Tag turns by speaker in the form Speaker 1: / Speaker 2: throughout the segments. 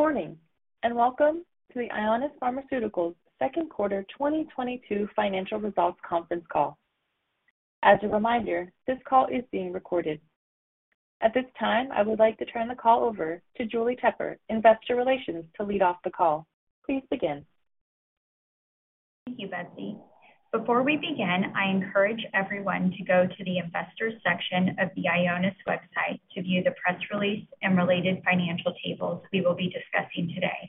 Speaker 1: Good morning, and welcome to the Ionis Pharmaceuticals second quarter 2022 financial results conference call. As a reminder, this call is being recorded. At this time, I would like to turn the call over to Julie Tepper, investor relations, to lead off the call. Please begin.
Speaker 2: Thank you, Betsy. Before we begin, I encourage everyone to go to the investors section of the Ionis website to view the press release and related financial tables we will be discussing today,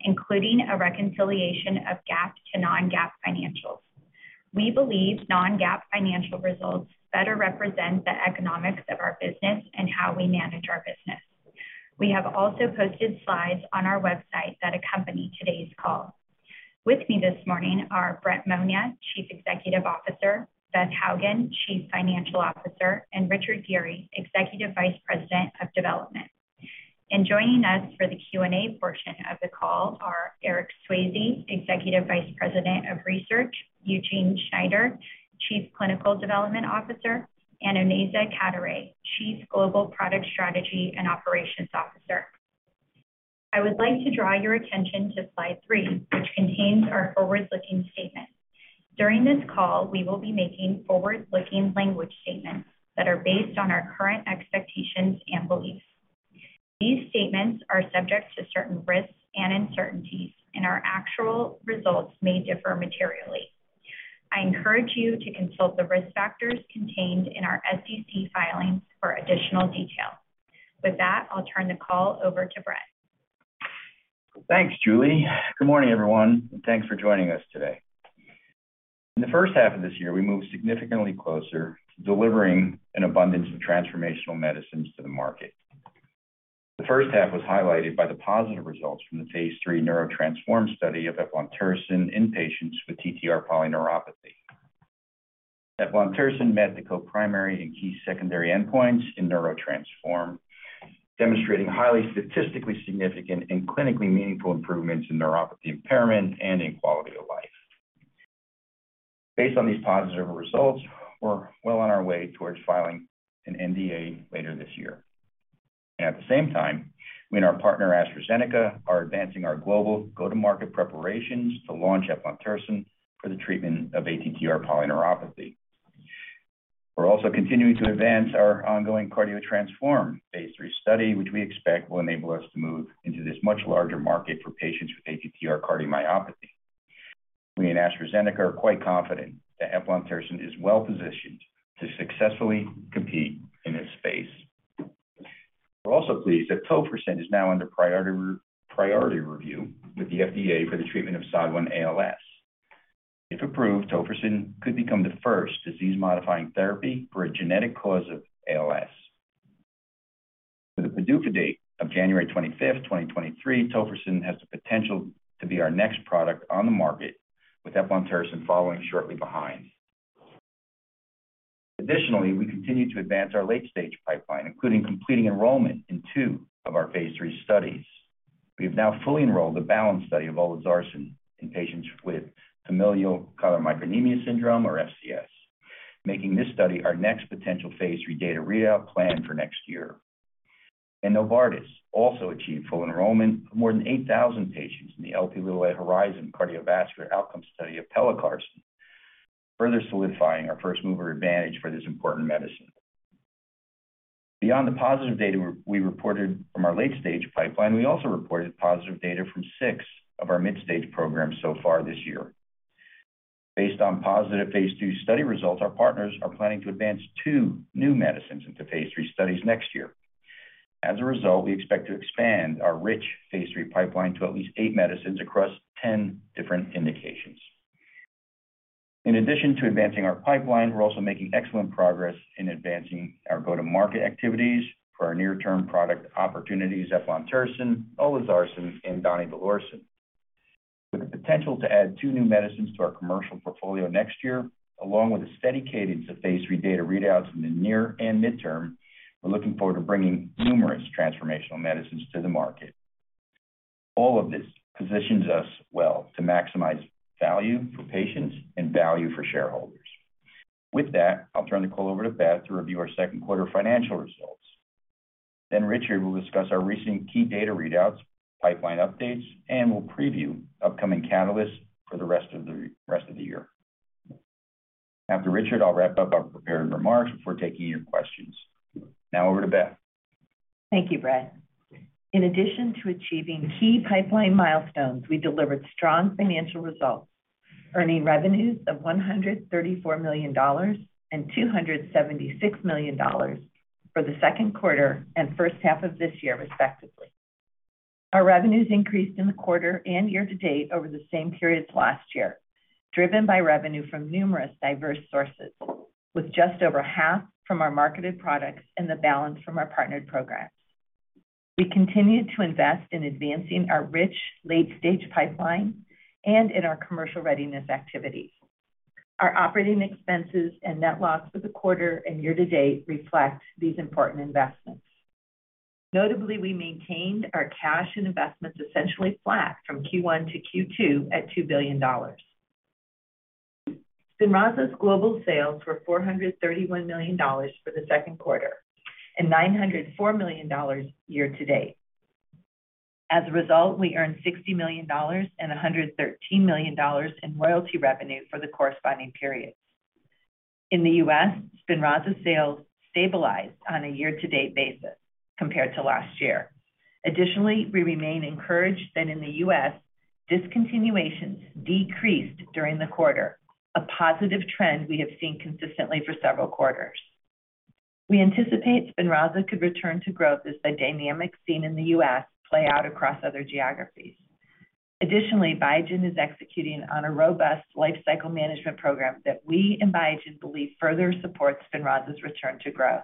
Speaker 2: including a reconciliation of GAAP to non-GAAP financials. We believe non-GAAP financial results better represent the economics of our business and how we manage our business. We have also posted slides on our website that accompany today's call. With me this morning are Brett Monia, Chief Executive Officer, Beth Hougen, Chief Financial Officer, and Richard Geary, Executive Vice President of Development. Joining us for the Q&A portion of the call are Eric E.Swayze, Executive Vice President of Research, Eugene Schneider, Chief Clinical Development Officer, and Onaiza Cadoret-Manier, Chief Global Product Strategy and Operations Officer. I would like to draw your attention to slide three, which contains our forward-looking statement. During this call, we will be making forward-looking language statements that are based on our current expectations and beliefs. These statements are subject to certain risks and uncertainties, and our actual results may differ materially. I encourage you to consult the risk factors contained in our SEC filings for additional detail. With that, I'll turn the call over to Brett.
Speaker 3: Thanks, Julie. Good morning, everyone, and thanks for joining us today. In the first half of this year, we moved significantly closer to delivering an abundance of transformational medicines to the market. The first half was highlighted by the positive results from the phase 3 NEURO-TTRansform study of eplontersen in patients with TTR polyneuropathy. Eplontersen met the co-primary and key secondary endpoints in NEURO-TTRansform, demonstrating highly statistically significant and clinically meaningful improvements in neuropathy impairment and in quality of life. Based on these positive results, we're well on our way towards filing an NDA later this year. At the same time, we and our partner AstraZeneca are advancing our global go-to-market preparations to launch eplontersen for the treatment of ATTR polyneuropathy. We're also continuing to advance our ongoing CARDIO-TTRansform phase 3 study, which we expect will enable us to move into this much larger market for patients with ATTR cardiomyopathy. We and AstraZeneca are quite confident that eplontersen is well-positioned to successfully compete in this space. We're also pleased that tofersen is now under priority review with the FDA for the treatment of SOD1-ALS. If approved, tofersen could become the first disease-modifying therapy for a genetic cause of ALS. With a PDUFA date of January 25, 2023, tofersen has the potential to be our next product on the market, with eplontersen following shortly behind. Additionally, we continue to advance our late-stage pipeline, including completing enrollment in two of our phase 3 studies. We have now fully enrolled the BALANCE study of olezarsen in patients with familial chylomicronemia syndrome or FCS, making this study our next potential phase 3 data readout planned for next year. Novartis also achieved full enrollment of more than 8,000 patients in the Lp(a) HORIZON cardiovascular outcome study of pelacarsen, further solidifying our first-mover advantage for this important medicine. Beyond the positive data we reported from our late-stage pipeline, we also reported positive data from six of our mid-stage programs so far this year. Based on positive phase 2 study results, our partners are planning to advance two new medicines into phase 3 studies next year. As a result, we expect to expand our rich phase 3 pipeline to at least eight medicines across 10 different indications. In addition to advancing our pipeline, we're also making excellent progress in advancing our go-to-market activities for our near-term product opportunities eplontersen, olezarsen, and donidalorsen. With the potential to add two new medicines to our commercial portfolio next year, along with a steady cadence of phase 3 data readouts in the near and mid-term, we're looking forward to bringing numerous transformational medicines to the market. All of this positions us well to maximize value for patients and value for shareholders. With that, I'll turn the call over to Beth to review our second quarter financial results. Then Richard will discuss our recent key data readouts, pipeline updates, and will preview upcoming catalysts for the rest of the year. After Richard, I'll wrap up our prepared remarks before taking your questions. Now over to Beth.
Speaker 1: Thank you, Brett. In addition to achieving key pipeline milestones, we delivered strong financial results, earning revenues of $134 million and $276 million for the second quarter and first half of this year, respectively. Our revenues increased in the quarter and year-to-date over the same period last year, driven by revenue from numerous diverse sources, with just over half from our marketed products and the balance from our partnered programs. We continued to invest in advancing our rich late-stage pipeline and in our commercial readiness activities. Our operating expenses and net loss for the quarter and year-to-date reflect these important investments. Notably, we maintained our cash and investments essentially flat from Q1 to Q2 at $2 billion. SPINRAZA's global sales were $431 million for the second quarter and $904 million year-to-date. As a result, we earned $60 million and $113 million in royalty revenue for the corresponding periods. In the U.S., SPINRAZA sales stabilized on a year-to-date basis compared to last year. Additionally, we remain encouraged that in the U.S., discontinuations decreased during the quarter, a positive trend we have seen consistently for several quarters. We anticipate SPINRAZA could return to growth as the dynamics seen in the U.S. play out across other geographies. Additionally, Biogen is executing on a robust lifecycle management program that we and Biogen believe further supports SPINRAZA's return to growth.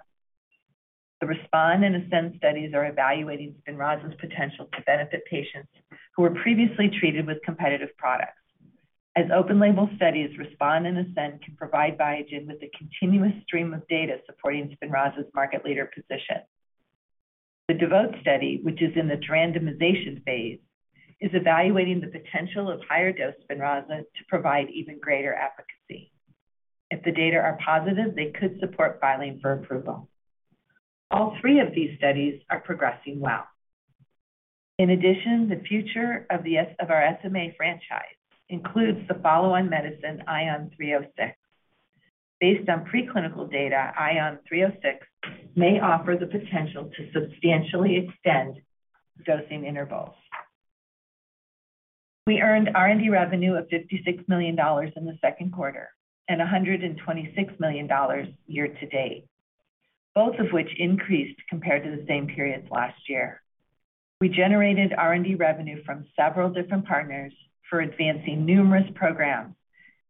Speaker 1: The RESPOND and ASCEND studies are evaluating SPINRAZA's potential to benefit patients who were previously treated with competitive products. As open-label studies, RESPOND and ASCEND can provide Biogen with a continuous stream of data supporting SPINRAZA's market leader position. The DEVOTE study, which is in the randomization phase, is evaluating the potential of higher-dose SPINRAZA to provide even greater efficacy. If the data are positive, they could support filing for approval. All three of these studies are progressing well. In addition, the future of our SMA franchise includes the follow-on medicine ION306. Based on preclinical data, ION306 may offer the potential to substantially extend dosing intervals. We earned R&D revenue of $56 million in the second quarter and $126 million year to date, both of which increased compared to the same periods last year. We generated R&D revenue from several different partners for advancing numerous programs,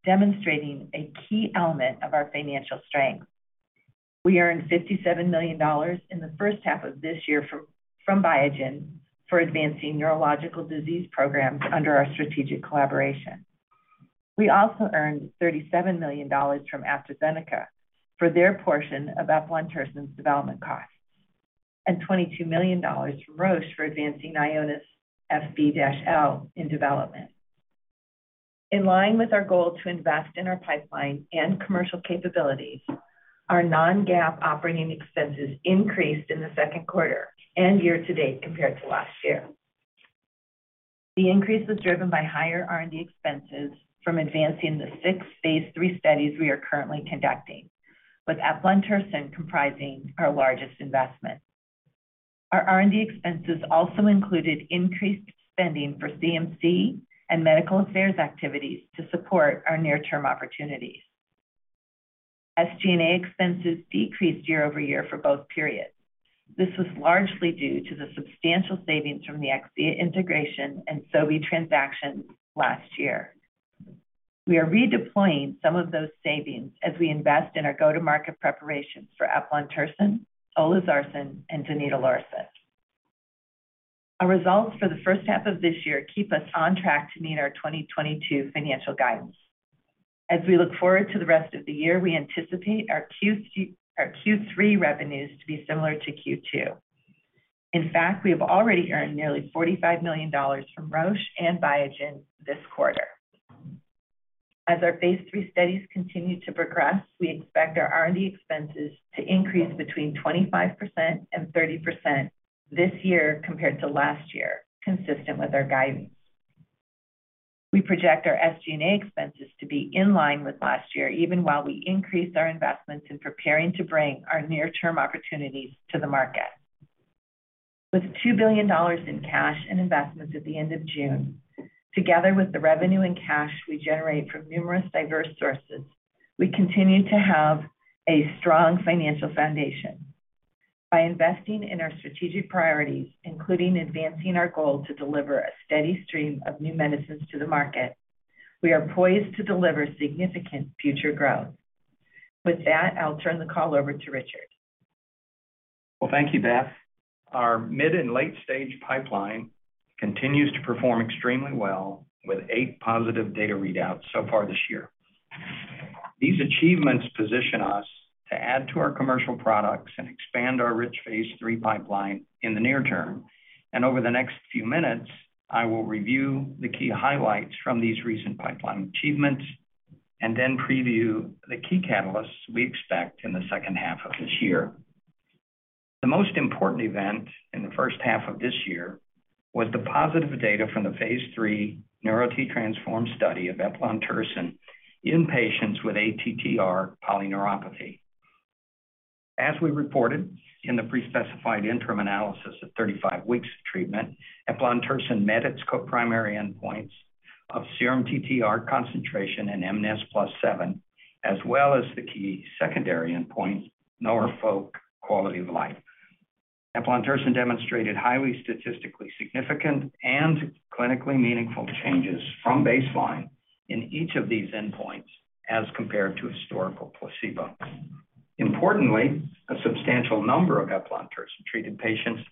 Speaker 1: demonstrating a key element of our financial strength. We earned $57 million in the first half of this year from Biogen for advancing neurological disease programs under our strategic collaboration. We also earned $37 million from AstraZeneca for their portion of eplontersen's development costs, and $22 million from Roche for advancing IONIS-FB-LRx in development. In line with our goal to invest in our pipeline and commercial capabilities, our non-GAAP operating expenses increased in the second quarter and year to date compared to last year. The increase was driven by higher R&D expenses from advancing the six phase 3 studies we are currently conducting, with eplontersen comprising our largest investment. Our R&D expenses also included increased spending for CMC and medical affairs activities to support our near-term opportunities. SG&A expenses decreased year over year for both periods. This was largely due to the substantial savings from the Akcea integration and Sobi transaction last year. We are redeploying some of those savings as we invest in our go-to-market preparations for eplontersen, olezarsen, and donidalorsen. Our results for the first half of this year keep us on track to meet our 2022 financial guidance. As we look forward to the rest of the year, we anticipate our Q3 revenues to be similar to Q2. In fact, we have already earned nearly $45 million from Roche and Biogen this quarter. As our phase 3 studies continue to progress, we expect our R&D expenses to increase between 25% and 30% this year compared to last year, consistent with our guidance. We project our SG&A expenses to be in line with last year, even while we increase our investments in preparing to bring our near-term opportunities to the market. With $2 billion in cash and investments at the end of June, together with the revenue and cash we generate from numerous diverse sources, we continue to have a strong financial foundation. By investing in our strategic priorities, including advancing our goal to deliver a steady stream of new medicines to the market, we are poised to deliver significant future growth. With that, I'll turn the call over to Richard.
Speaker 4: Well, thank you, Beth. Our mid and late-stage pipeline continues to perform extremely well with eight positive data readouts so far this year. These achievements position us to add to our commercial products and expand our rich phase 3 pipeline in the near term. Over the next few minutes, I will review the key highlights from these recent pipeline achievements and then preview the key catalysts we expect in the second half of this year. The most important event in the first half of this year was the positive data from the phase 3 NEURO-TTRansform study of eplontersen in patients with ATTR polyneuropathy. As we reported in the pre-specified interim analysis at 35 weeks of treatment, eplontersen met its co-primary endpoints of serum TTR concentration and mNIS+7, as well as the key secondary endpoint, Norfolk Quality of Life. Eplontersen demonstrated highly statistically significant and clinically meaningful changes from baseline in each of these endpoints as compared to historical placebo. Importantly, a substantial number of eplontersen-treated patients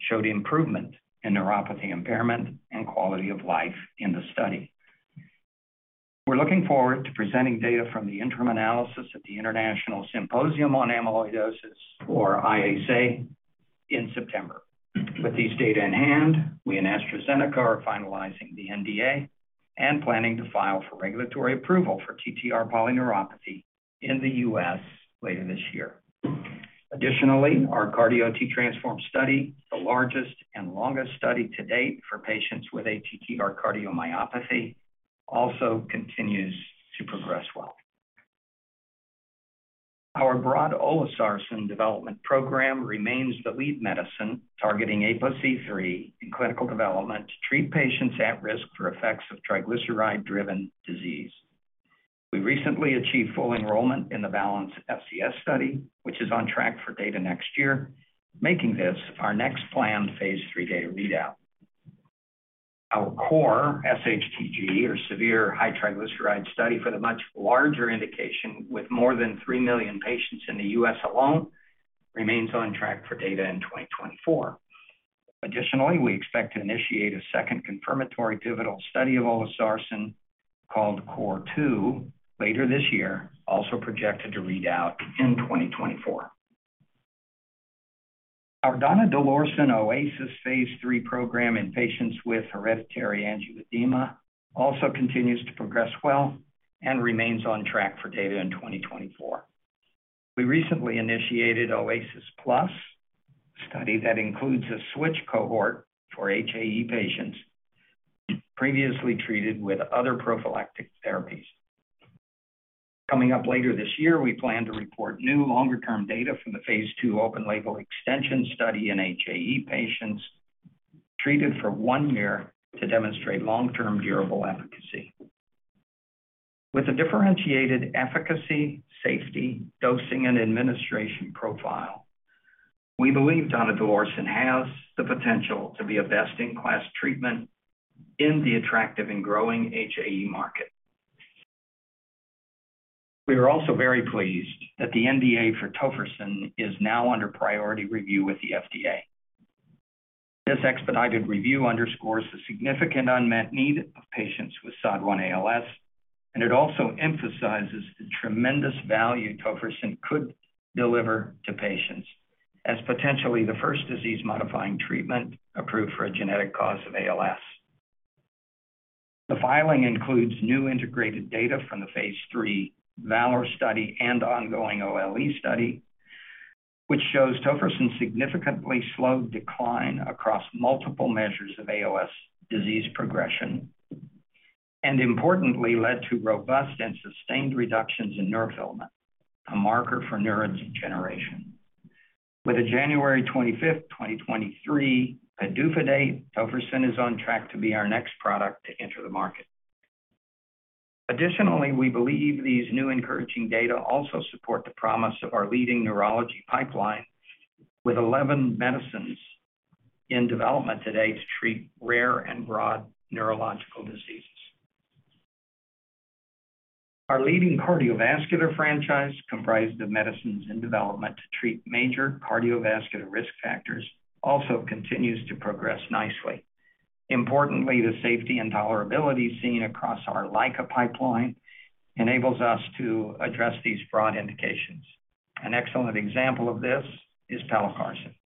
Speaker 4: showed improvement in neuropathy impairment and quality of life in the study. We're looking forward to presenting data from the interim analysis at the International Symposium on Amyloidosis, or ISA in September. With these data in hand, we and AstraZeneca are finalizing the NDA and planning to file for regulatory approval for TTR polyneuropathy in the U.S. later this year. Additionally, our CARDIO-TTRansform study, the largest and longest study to date for patients with ATTR cardiomyopathy, also continues to progress well. Our broad olezarsen development program remains the lead medicine targeting ApoC3 in clinical development to treat patients at risk for effects of triglyceride-driven disease. We recently achieved full enrollment in the BALANCE FCS study, which is on track for data next year, making this our next planned phase 3 data readout. Our core SHTG or severe hypertriglyceridemia study for the much larger indication with more than 3 million patients in the US alone remains on track for data in 2024. Additionally, we expect to initiate a second confirmatory pivotal study of olezarsen called CORE 2 later this year, also projected to read out in 2024. Our donidalorsen OASIS phase 3 program in patients with hereditary angioedema also continues to progress well and remains on track for data in 2024. We recently initiated OASISplus study that includes a switch cohort for HAE patients previously treated with other prophylactic therapies. Coming up later this year, we plan to report new longer-term data from the phase 2 open label extension study in HAE patients treated for one year to demonstrate long-term durable efficacy. With a differentiated efficacy, safety, dosing, and administration profile, we believe donidalorsen has the potential to be a best-in-class treatment in the attractive and growing HAE market. We are also very pleased that the NDA for tofersen is now under priority review with the FDA. This expedited review underscores the significant unmet need of patients with SOD1-ALS, and it also emphasizes the tremendous value tofersen could deliver to patients as potentially the first disease-modifying treatment approved for a genetic cause of ALS. The filing includes new integrated data from the phase 3 VALOR study and ongoing OLE study, which shows tofersen significantly slowed decline across multiple measures of ALS disease progression, and importantly led to robust and sustained reductions in neurofilament, a marker for neuron degeneration. With a January 25th, 2023 PDUFA date, tofersen is on track to be our next product to enter the market. Additionally, we believe these new encouraging data also support the promise of our leading neurology pipeline with 11 medicines in development today to treat rare and broad neurological diseases. Our leading cardiovascular franchise, comprised of medicines in development to treat major cardiovascular risk factors, also continues to progress nicely. Importantly, the safety and tolerability seen across our LICA pipeline enables us to address these broad indications. An excellent example of this is pelacarsen.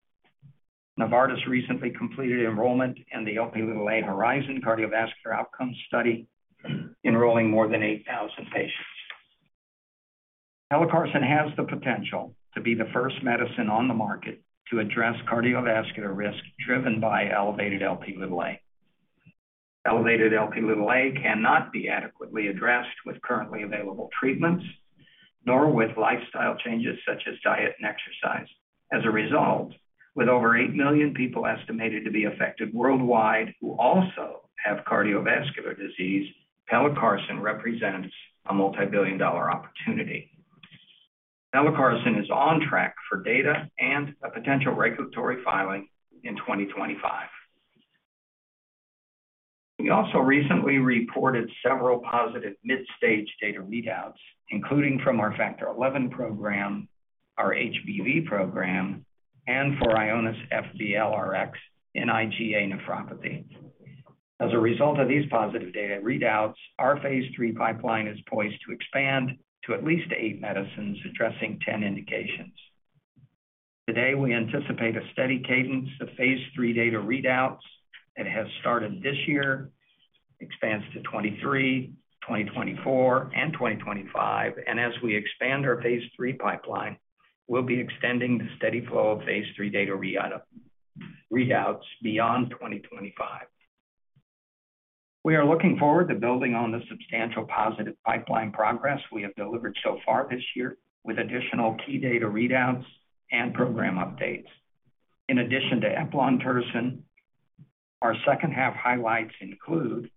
Speaker 4: Novartis recently completed enrollment in the Lp(a) HORIZON cardiovascular outcomes study, enrolling more than 8,000 patients. Pelacarsen has the potential to be the first medicine on the market to address cardiovascular risk driven by elevated Lp(a). Elevated Lp(a) cannot be adequately addressed with currently available treatments, nor with lifestyle changes such as diet and exercise. As a result, with over 8 million people estimated to be affected worldwide who also have cardiovascular disease, pelacarsen represents a multibillion-dollar opportunity. Pelacarsen is on track for data and a potential regulatory filing in 2025. We also recently reported several positive mid-stage data readouts, including from our Factor XI program, our HBV program, and for IONIS-FB-LRx in IgA nephropathy. As a result of these positive data readouts, our phase 3 pipeline is poised to expand to at least 8 medicines addressing 10 indications. Today, we anticipate a steady cadence of phase 3 data readouts that have started this year, expands to 2023, 2024, and 2025. As we expand our phase 3 pipeline, we'll be extending the steady flow of phase 3 data readouts beyond 2025. We are looking forward to building on the substantial positive pipeline progress we have delivered so far this year with additional key data readouts and program updates. In addition to eplontersen, our second half highlights include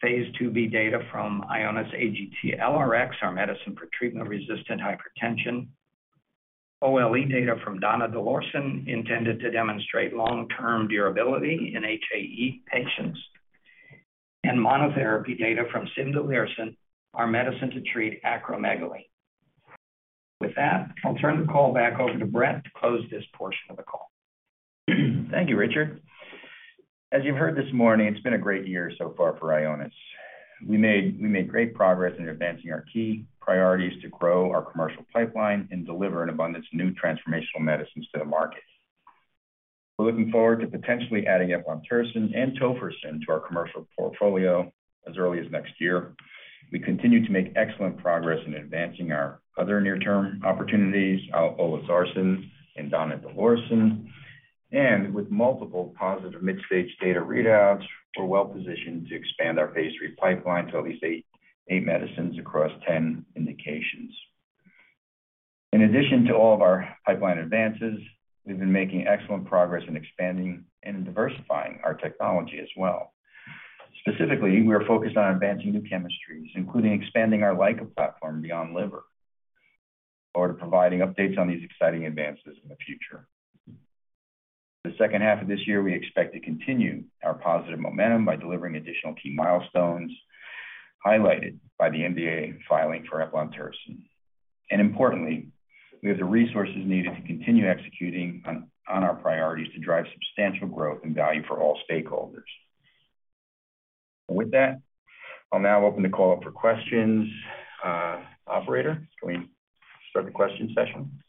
Speaker 4: phase 2b data from IONIS-AGT-LRx, our medicine for treatment-resistant hypertension, OLE data from donidalorsen intended to demonstrate long-term durability in HAE patients, and monotherapy data from cimdelirsen, our medicine to treat acromegaly. With that, I'll turn the call back over to Brett to close this portion of the call.
Speaker 3: Thank you, Richard. As you've heard this morning, it's been a great year so far for Ionis. We made great progress in advancing our key priorities to grow our commercial pipeline and deliver an abundance of new transformational medicines to the market. We're looking forward to potentially adding eplontersen and tofersen to our commercial portfolio as early as next year. We continue to make excellent progress in advancing our other near-term opportunities, olezarsen and donidalorsen. With multiple positive mid-stage data readouts, we're well-positioned to expand our phase III pipeline to at least eight medicines across 10 indications. In addition to all of our pipeline advances, we've been making excellent progress in expanding and diversifying our technology as well. Specifically, we are focused on advancing new chemistries, including expanding our LICA platform beyond liver. We look forward to providing updates on these exciting advances in the future. The second half of this year, we expect to continue our positive momentum by delivering additional key milestones highlighted by the NDA filing for eplontersen. Importantly, we have the resources needed to continue executing on our priorities to drive substantial growth and value for all stakeholders. With that, I'll now open the call up for questions. Operator, can we start the question session?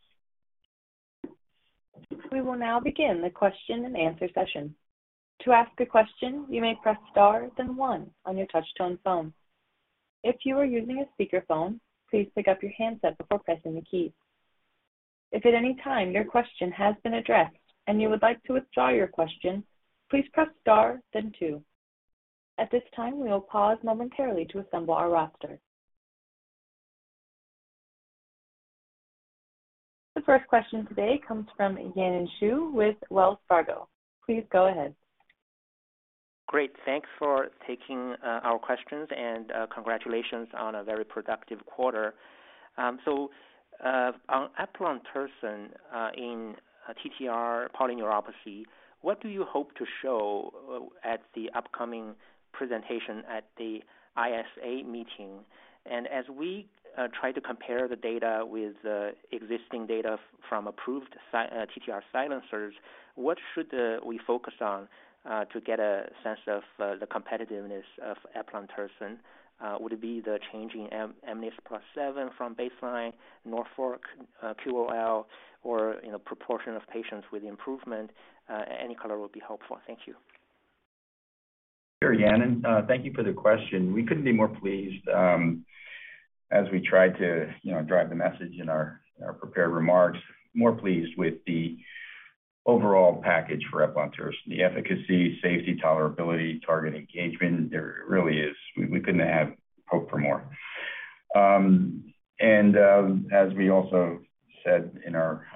Speaker 5: We will now begin the question and answer session. To ask a question, you may press star, then one on your touch tone phone. If you are using a speakerphone, please pick up your handset before pressing the key. If at any time your question has been addressed and you would like to withdraw your question, please press star then two. At this time, we will pause momentarily to assemble our roster. The first question today comes from Yanan Zhu with Wells Fargo. Please go ahead.
Speaker 6: Great. Thanks for taking our questions, and congratulations on a very productive quarter. So, on eplontersen in TTR polyneuropathy, what do you hope to show at the upcoming presentation at the ISA meeting? As we try to compare the data with the existing data from approved TTR silencers, what should we focus on to get a sense of the competitiveness of eplontersen? Would it be the change in mNIS+7 from baseline, Norfolk QOL or, you know, proportion of patients with improvement? Any color would be helpful. Thank you.
Speaker 3: Sure, Yanan. Thank you for the question. We couldn't be more pleased, as we try to, you know, drive the message in our prepared remarks, more pleased with the overall package for eplontersen, the efficacy, safety, tolerability, target engagement. There really is. We couldn't have hoped for more. As we also said in our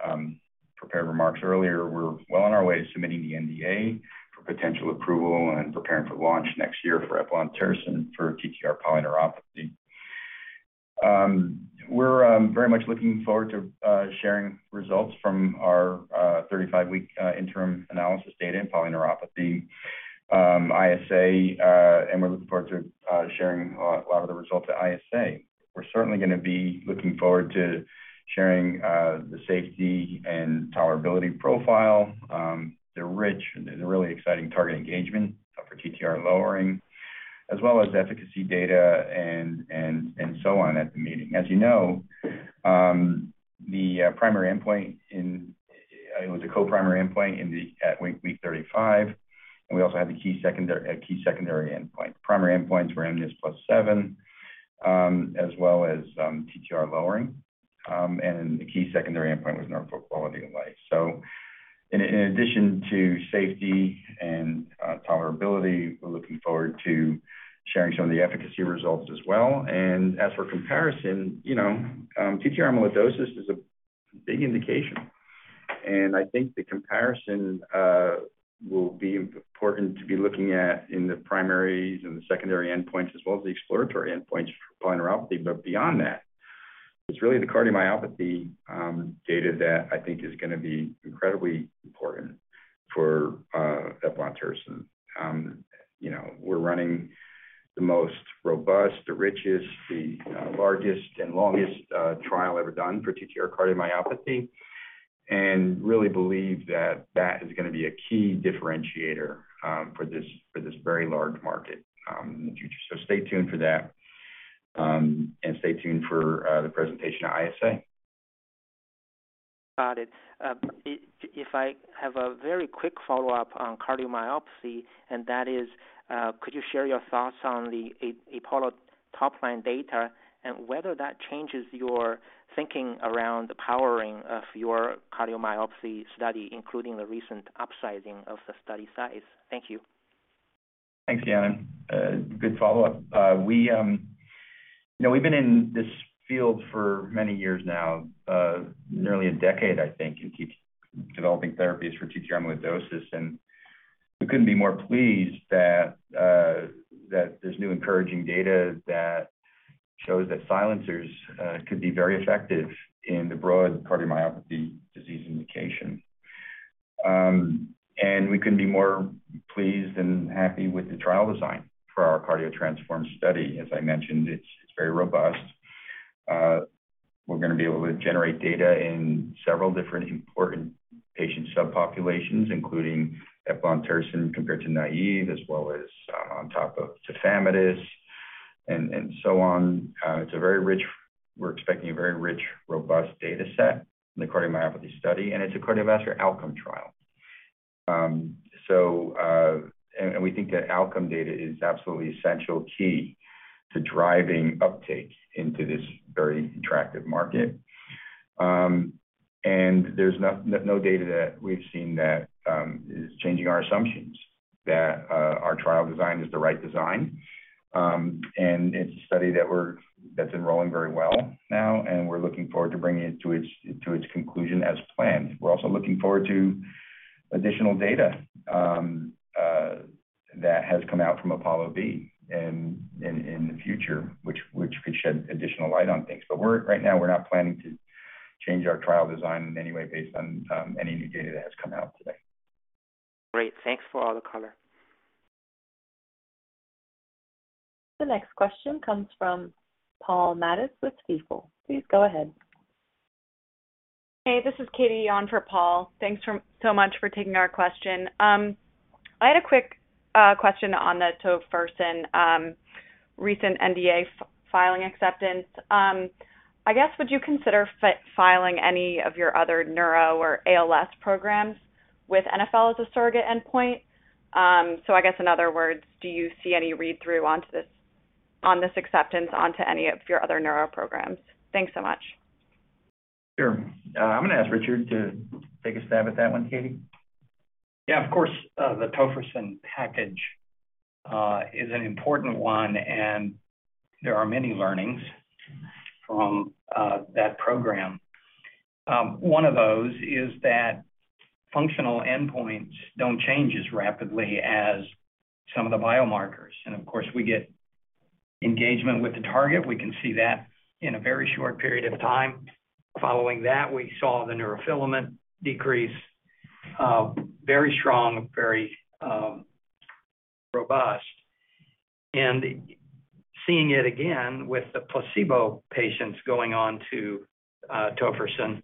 Speaker 3: prepared remarks earlier, we're well on our way to submitting the NDA for potential approval and preparing for launch next year for eplontersen for TTR polyneuropathy. We're very much looking forward to sharing results from our 35-week interim analysis data in polyneuropathy, ISA, and we're looking forward to sharing a lot of the results at ISA. We're certainly gonna be looking forward to sharing the safety and tolerability profile, the rich and the really exciting target engagement for TTR lowering, as well as efficacy data and so on at the meeting. As you know, it was a co-primary endpoint in the at week 35, and we also had the key secondary endpoint. Primary endpoints were mNIS+7, as well as TTR lowering, and the key secondary endpoint was Norfolk quality of life. In addition to safety and tolerability, we're looking forward to sharing some of the efficacy results as well. As for comparison, you know, TTR amyloidosis is a big indication. I think the comparison will be important to be looking at in the primaries and the secondary endpoints, as well as the exploratory endpoints for polyneuropathy. Beyond that, it's really the cardiomyopathy data that I think is gonna be incredibly important for eplontersen. You know, we're running the most robust, richest, largest and longest trial ever done for TTR cardiomyopathy and really believe that that is gonna be a key differentiator for this very large market in the future. Stay tuned for that, and stay tuned for the presentation at ISA.
Speaker 6: Got it. If I have a very quick follow-up on cardiomyopathy, and that is, could you share your thoughts on the APOLLO-B top-line data and whether that changes your thinking around the powering of your cardiomyopathy study, including the recent upsizing of the study size? Thank you.
Speaker 3: Thanks, Yanan. Good follow-up. We, you know, we've been in this field for many years now, nearly a decade, I think, and keep developing therapies for TTR amyloidosis. We couldn't be more pleased that that there's new encouraging data that shows that silencers could be very effective in the broad cardiomyopathy disease indication. We couldn't be more pleased and happy with the trial design for our CARDIO-TTRansform study. As I mentioned, it's very robust. We're gonna be able to generate data in several different important patient subpopulations, including eplontersen compared to naive, as well as on top of tafamidis and so on. We're expecting a very rich, robust data set in the cardiomyopathy study, and it's a cardiovascular outcome trial. We think that outcome data is absolutely essential key to driving uptake into this very attractive market. There's no data that we've seen that is changing our assumptions that our trial design is the right design. It's a study that's enrolling very well now, and we're looking forward to bringing it to its conclusion as planned. We're also looking forward to additional data that has come out from APOLLO-B in the future, which could shed additional light on things. Right now we're not planning to change our trial design in any way based on any new data that has come out today.
Speaker 5: Great. Thanks for all the color. The next question comes from Paul Matteis with Stifel. Please go ahead.
Speaker 7: Hey, this is Katie on for Paul. Thanks so much for taking our question. I had a quick question on the tofersen recent NDA filing acceptance. I guess, would you consider filing any of your other neuro or ALS programs with NfL as a surrogate endpoint? I guess, in other words, do you see any read-through on this acceptance onto any of your other neuro programs? Thanks so much.
Speaker 3: Sure. I'm gonna ask Richard to take a stab at that one, Katie.
Speaker 4: Yeah, of course, the tofersen package is an important one, and there are many learnings from that program. One of those is that functional endpoints don't change as rapidly as some of the biomarkers. Of course, we get engagement with the target. We can see that in a very short period of time. Following that, we saw the neurofilament decrease very strong, very robust. Seeing it again with the placebo patients going on to tofersen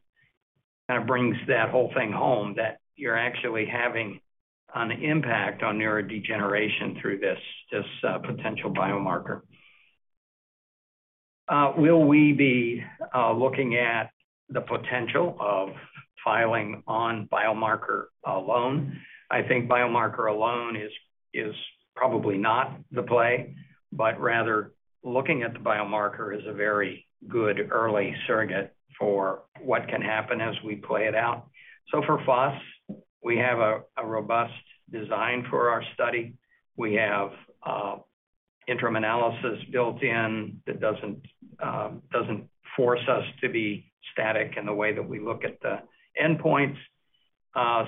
Speaker 4: kind of brings that whole thing home, that you're actually having an impact on neurodegeneration through this potential biomarker. Will we be looking at the potential of filing on biomarker alone? I think biomarker alone is probably not the play, but rather looking at the biomarker is a very good early surrogate for what can happen as we play it out. For FUS, we have a robust design for our study. We have interim analysis built in that doesn't force us to be static in the way that we look at the endpoints.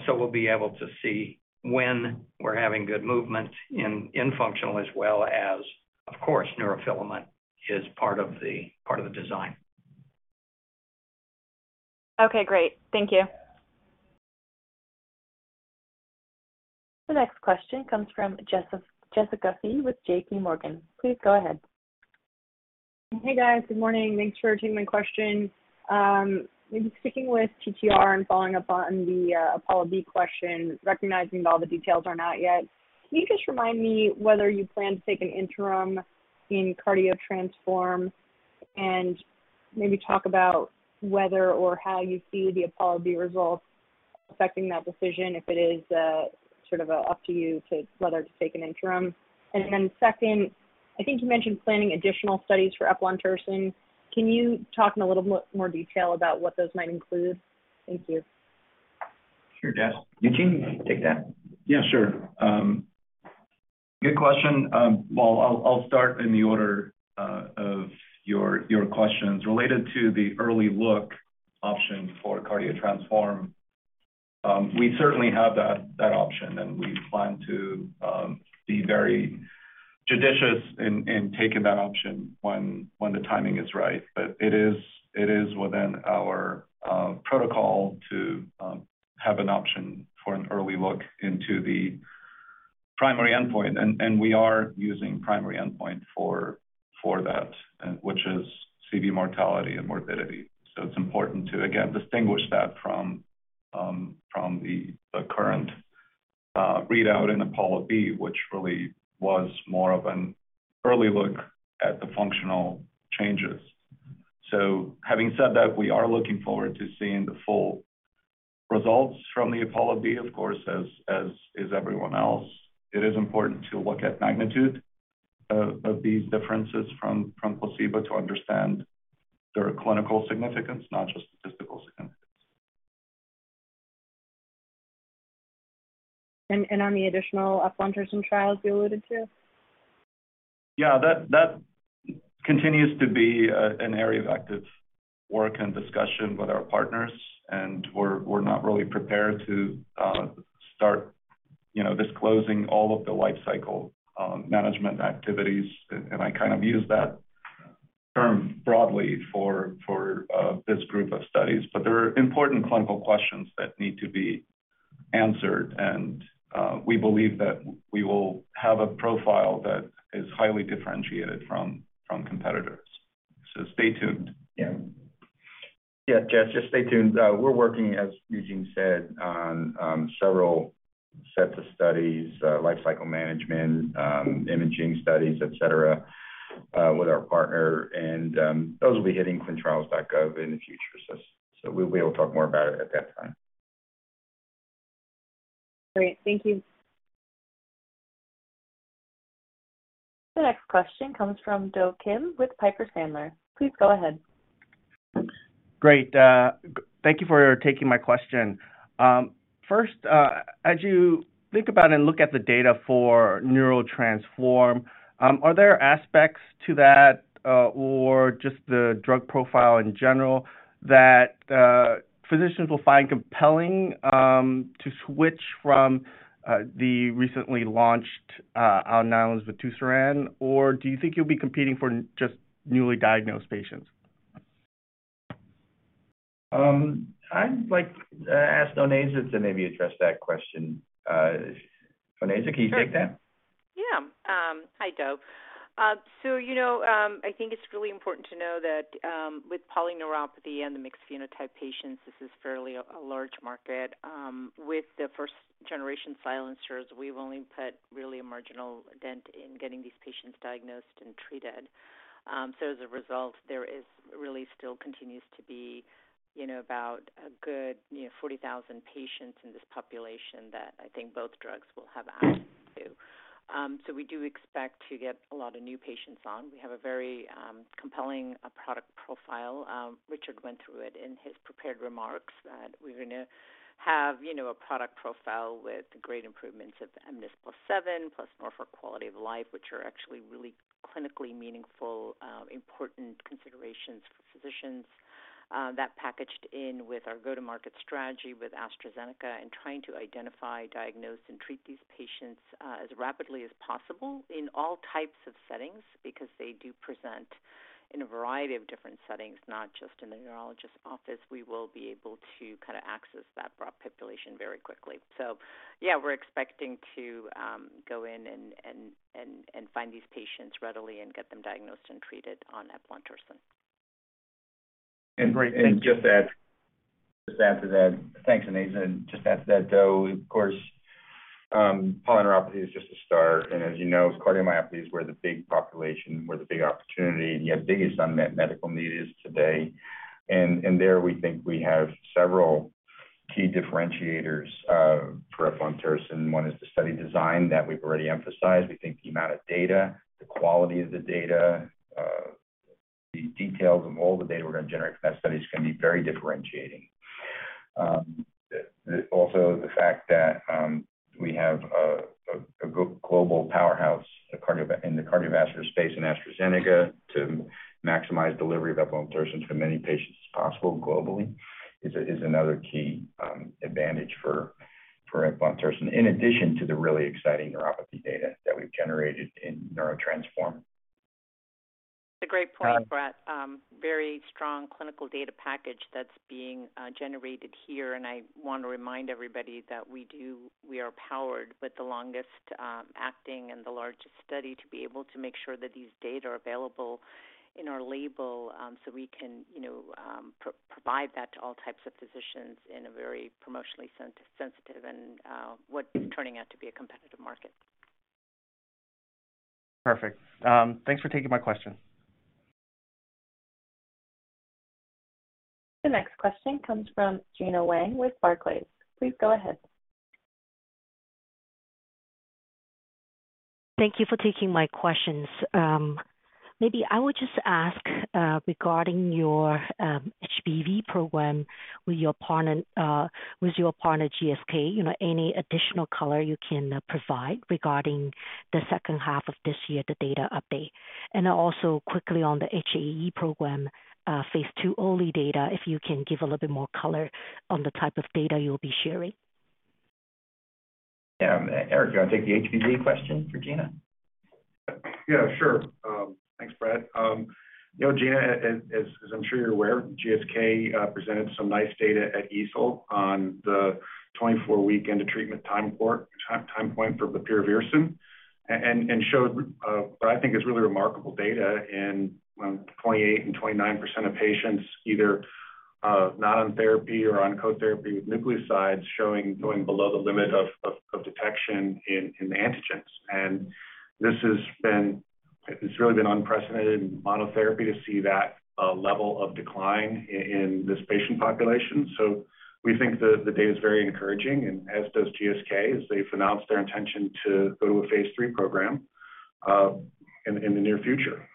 Speaker 4: We'll be able to see when we're having good movement in functional as well as, of course, neurofilament is part of the design.
Speaker 7: Okay, great. Thank you.
Speaker 5: The next question comes from Jessica Fye with J.P. Morgan. Please go ahead.
Speaker 8: Hey, guys. Good morning. Thanks for taking my question. Maybe sticking with TTR and following up on the APOLLO-B question, recognizing that all the details are not yet, can you just remind me whether you plan to take an interim in CARDIO-TTRansform and maybe talk about whether or how you see the APOLLO-B results affecting that decision, if it is sort of up to you to whether to take an interim? And then second, I think you mentioned planning additional studies for eplontersen. Can you talk in a little more detail about what those might include? Thank you.
Speaker 3: Sure, Jess. Eugene, take that.
Speaker 9: Yeah, sure. Good question. Well, I'll start in the order of your questions. Related to the early look option for CARDIO-TTRansform, we certainly have that option, and we plan to be very judicious in taking that option when the timing is right. But it is within our protocol to have an option for an early look into the primary endpoint, and we are using primary endpoint for that, which is CV mortality and morbidity. It's important to, again, distinguish that from the current readout in APOLLO-B, which really was more of an early look at the functional changes. Having said that, we are looking forward to seeing the full results from the APOLLO-B, of course, as is everyone else. It is important to look at magnitude of these differences from placebo to understand their clinical significance, not just statistical significance.
Speaker 8: On the additional eplontersen trials you alluded to?
Speaker 9: Yeah. That continues to be an area of active work and discussion with our partners, and we're not really prepared to start, you know, disclosing all of the life cycle management activities. I kind of use that term broadly for this group of studies. There are important clinical questions that need to be Answered. We believe that we will have a profile that is highly differentiated from competitors. Stay tuned.
Speaker 3: Yeah. Yeah, Jess, just stay tuned. We're working, as Eugene said, on several sets of studies, lifecycle management, imaging studies, et cetera, with our partner. Those will be hitting clinicaltrials.gov in the future. We'll be able to talk more about it at that time.
Speaker 5: Great. Thank you. The next question comes from Do Kim with Piper Sandler. Please go ahead.
Speaker 10: Great. Thank you for taking my question. First, as you think about and look at the data for NEURO-TTRansform, are there aspects to that, or just the drug profile in general that physicians will find compelling, to switch from the recently launched Amvuttra with vutrisiran? Or do you think you'll be competing for just newly diagnosed patients?
Speaker 3: I'd like to ask Onaiza to maybe address that question. Onaiza, can you take that?
Speaker 11: Sure. Yeah. Hi, Do. You know, I think it's really important to know that, with polyneuropathy and the mixed phenotype patients, this is fairly a large market. With the first generation silencers, we've only put really a marginal dent in getting these patients diagnosed and treated. As a result, there is really still continues to be, you know, about a good, you know, 40,000 patients in this population that I think both drugs will have access to. We do expect to get a lot of new patients on. We have a very compelling product profile. Richard went through it in his prepared remarks, that we're gonna have, you know, a product profile with great improvements of the mNIS+7, plus more for quality of life, which are actually really clinically meaningful, important considerations for physicians. That packaged in with our go-to-market strategy with AstraZeneca and trying to identify, diagnose, and treat these patients, as rapidly as possible in all types of settings, because they do present in a variety of different settings, not just in a neurologist office. We will be able to kinda access that broad population very quickly. Yeah, we're expecting to go in and find these patients readily and get them diagnosed and treated on eplontersen.
Speaker 10: Great. Thank you.
Speaker 3: Just to add to that. Thanks, Onaiza. Just to add to that, Do, of course, polyneuropathy is just a start. As you know, cardiomyopathies were the big population, the big opportunity, and the biggest unmet medical need today. There we think we have several key differentiators for eplontersen. One is the study design that we've already emphasized. We think the amount of data, the quality of the data, the details of all the data we're gonna generate from that study is gonna be very differentiating. The fact that we have a global powerhouse in the cardiovascular space in AstraZeneca to maximize delivery of eplontersen to as many patients as possible globally is another key advantage for eplontersen, in addition to the really exciting neuropathy data that we've generated in NEURO-TTRansform.
Speaker 11: It's a great point, Brett. Very strong clinical data package that's being generated here. I wanna remind everybody that we are powered with the longest acting and the largest study to be able to make sure that these data are available in our label, so we can, you know, provide that to all types of physicians in a very promotionally sensitive and what is turning out to be a competitive market.
Speaker 10: Perfect. Thanks for taking my question.
Speaker 5: The next question comes from Gena Wang with Barclays. Please go ahead.
Speaker 12: Thank you for taking my questions. Maybe I would just ask regarding your HBV program with your partner GSK, you know, any additional color you can provide regarding the second half of this year, the data update? Also quickly on the HAE program, phase 2 only data, if you can give a little bit more color on the type of data you'll be sharing.
Speaker 3: Yeah. Eric, do you wanna take the HBV question for Gena?
Speaker 13: Yeah, sure. Thanks, Brett. You know, Gina, as I'm sure you're aware, GSK presented some nice data at EASL on the 24-week into treatment time point for bepirovirsen and showed what I think is really remarkable data in 28% and 29% of patients either not on therapy or on co-therapy with nucleosides showing going below the limit of detection in the antigens. This has been—it's really been unprecedented monotherapy to see that level of decline in this patient population. We think the data is very encouraging and as does GSK, as they've announced their intention to go to a phase 3 program in the near future.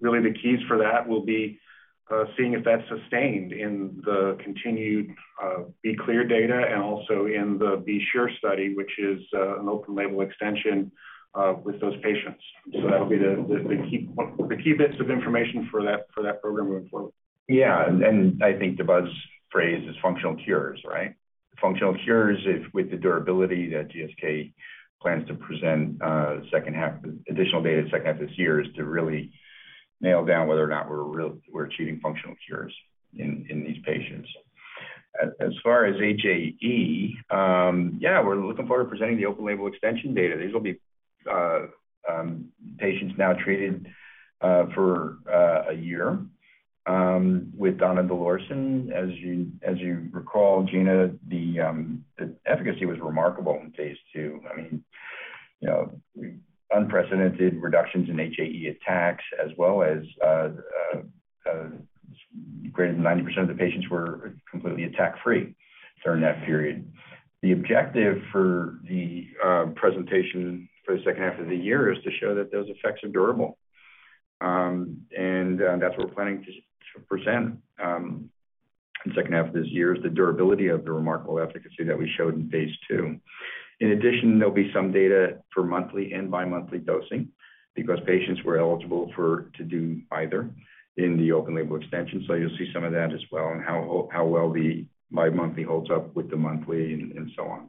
Speaker 13: Really the keys for that will be seeing if that's sustained in the continued B-Clear data and also in the B-Sure study, which is an open-label extension with those patients. That'll be the key one of the key bits of information for that program moving forward.
Speaker 3: Yeah. I think the buzz phrase is functional cures, right? Functional cures with the durability that GSK plans to present, second half additional data second half this year is to really nail down whether or not we're achieving functional cures in these patients. As far as HAE, yeah, we're looking forward to presenting the open-label extension data. These will be patients now treated for a year with donidalorsen. As you recall, Gina, the efficacy was remarkable in phase two. I mean, you know, unprecedented reductions in HAE attacks as well as greater than 90% of the patients were completely attack-free during that period. The objective for the presentation for the second half of the year is to show that those effects are durable. That's what we're planning to present in the second half of this year is the durability of the remarkable efficacy that we showed in phase two. In addition, there'll be some data for monthly and bimonthly dosing because patients were eligible to do either in the open-label extension. You'll see some of that as well and how well the bimonthly holds up with the monthly and so on.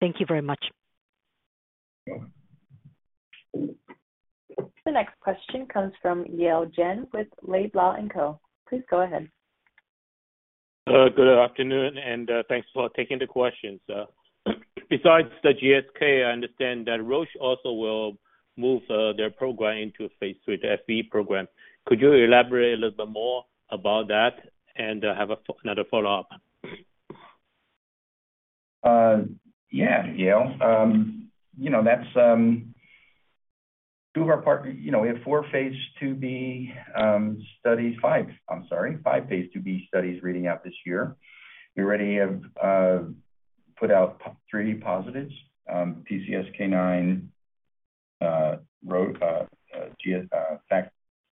Speaker 5: Thank you very much.
Speaker 3: You're welcome.
Speaker 5: The next question comes from Yale Jen with Laidlaw & Co. Please go ahead.
Speaker 14: Good afternoon, and thanks for taking the questions. Besides the GSK, I understand that Roche also will move their program into phase 3 FB program. Could you elaborate a little bit more about that? I have another follow-up.
Speaker 3: Yeah, Yale. You know, that's 2 of our you know, we have 4 phase 2B studies. 5, I'm sorry. 5 phase 2B studies reading out this year. We already have put out 3 positives. PCSK9,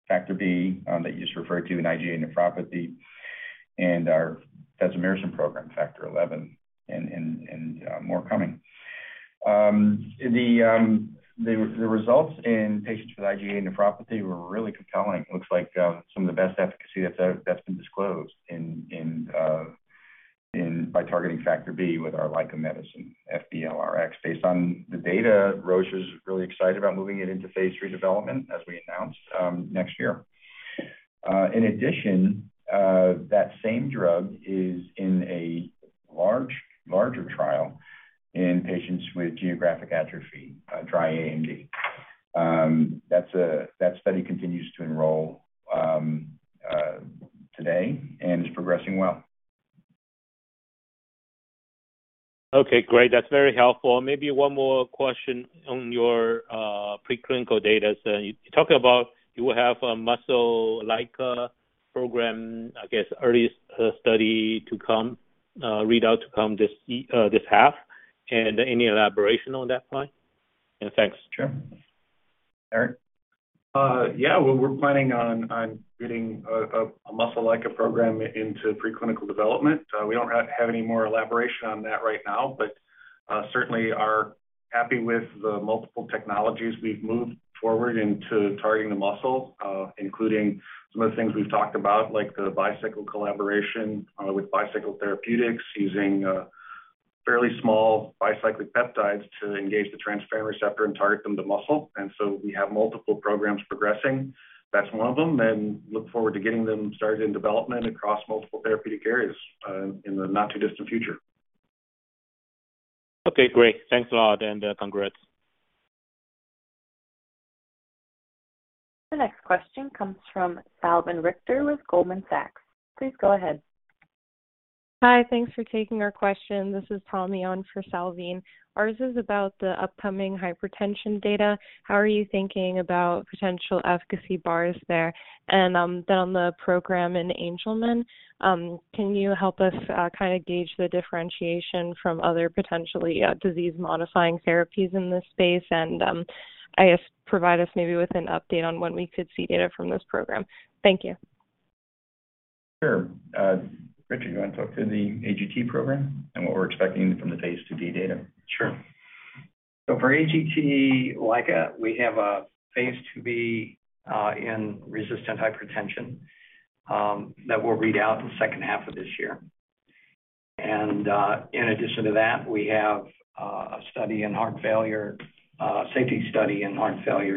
Speaker 3: factor B that you just referred to in IgA nephropathy, and our fesomersen program, Factor XI, and more coming. The results in patients with IgA nephropathy were really compelling. Looks like some of the best efficacy that's been disclosed by targeting factor B with our LICA medicine, FBLRX. Based on the data, Roche is really excited about moving it into phase 3 development, as we announced next year. In addition, that same drug is in a larger trial in patients with geographic atrophy, dry AMD. That study continues to enroll today and is progressing well.
Speaker 14: Okay, great. That's very helpful. Maybe one more question on your preclinical data. You talked about you will have a muscle LICA program, I guess, earliest study readout to come this half. Any elaboration on that point? Thanks.
Speaker 3: Sure. Eric?
Speaker 13: Well, we're planning on getting a muscle LICA program into preclinical development. We don't have any more elaboration on that right now, but certainly are happy with the multiple technologies we've moved forward into targeting the muscle, including some of the things we've talked about, like the Bicycle collaboration with Bicycle Therapeutics, using fairly small bicyclic peptides to engage the transferrin receptor and target them to muscle. We have multiple programs progressing. That's one of them, and look forward to getting them started in development across multiple therapeutic areas in the not-too-distant future.
Speaker 14: Okay, great. Thanks a lot, and congrats.
Speaker 5: The next question comes from Salveen Richter with Goldman Sachs. Please go ahead.
Speaker 15: Hi. Thanks for taking our question. This is Tommy on for Salveen. Ours is about the upcoming hypertension data. How are you thinking about potential efficacy bars there? And, then on the program in Angelman, can you help us kinda gauge the differentiation from other potentially disease-modifying therapies in this space? And, I guess provide us maybe with an update on when we could see data from this program. Thank you.
Speaker 3: Sure. Richard, you wanna talk to the AGT program and what we're expecting from the phase 2b data?
Speaker 4: Sure. For AGT LICA, we have a phase 2b in resistant hypertension that will read out in the second half of this year. In addition to that, we have a safety study in heart failure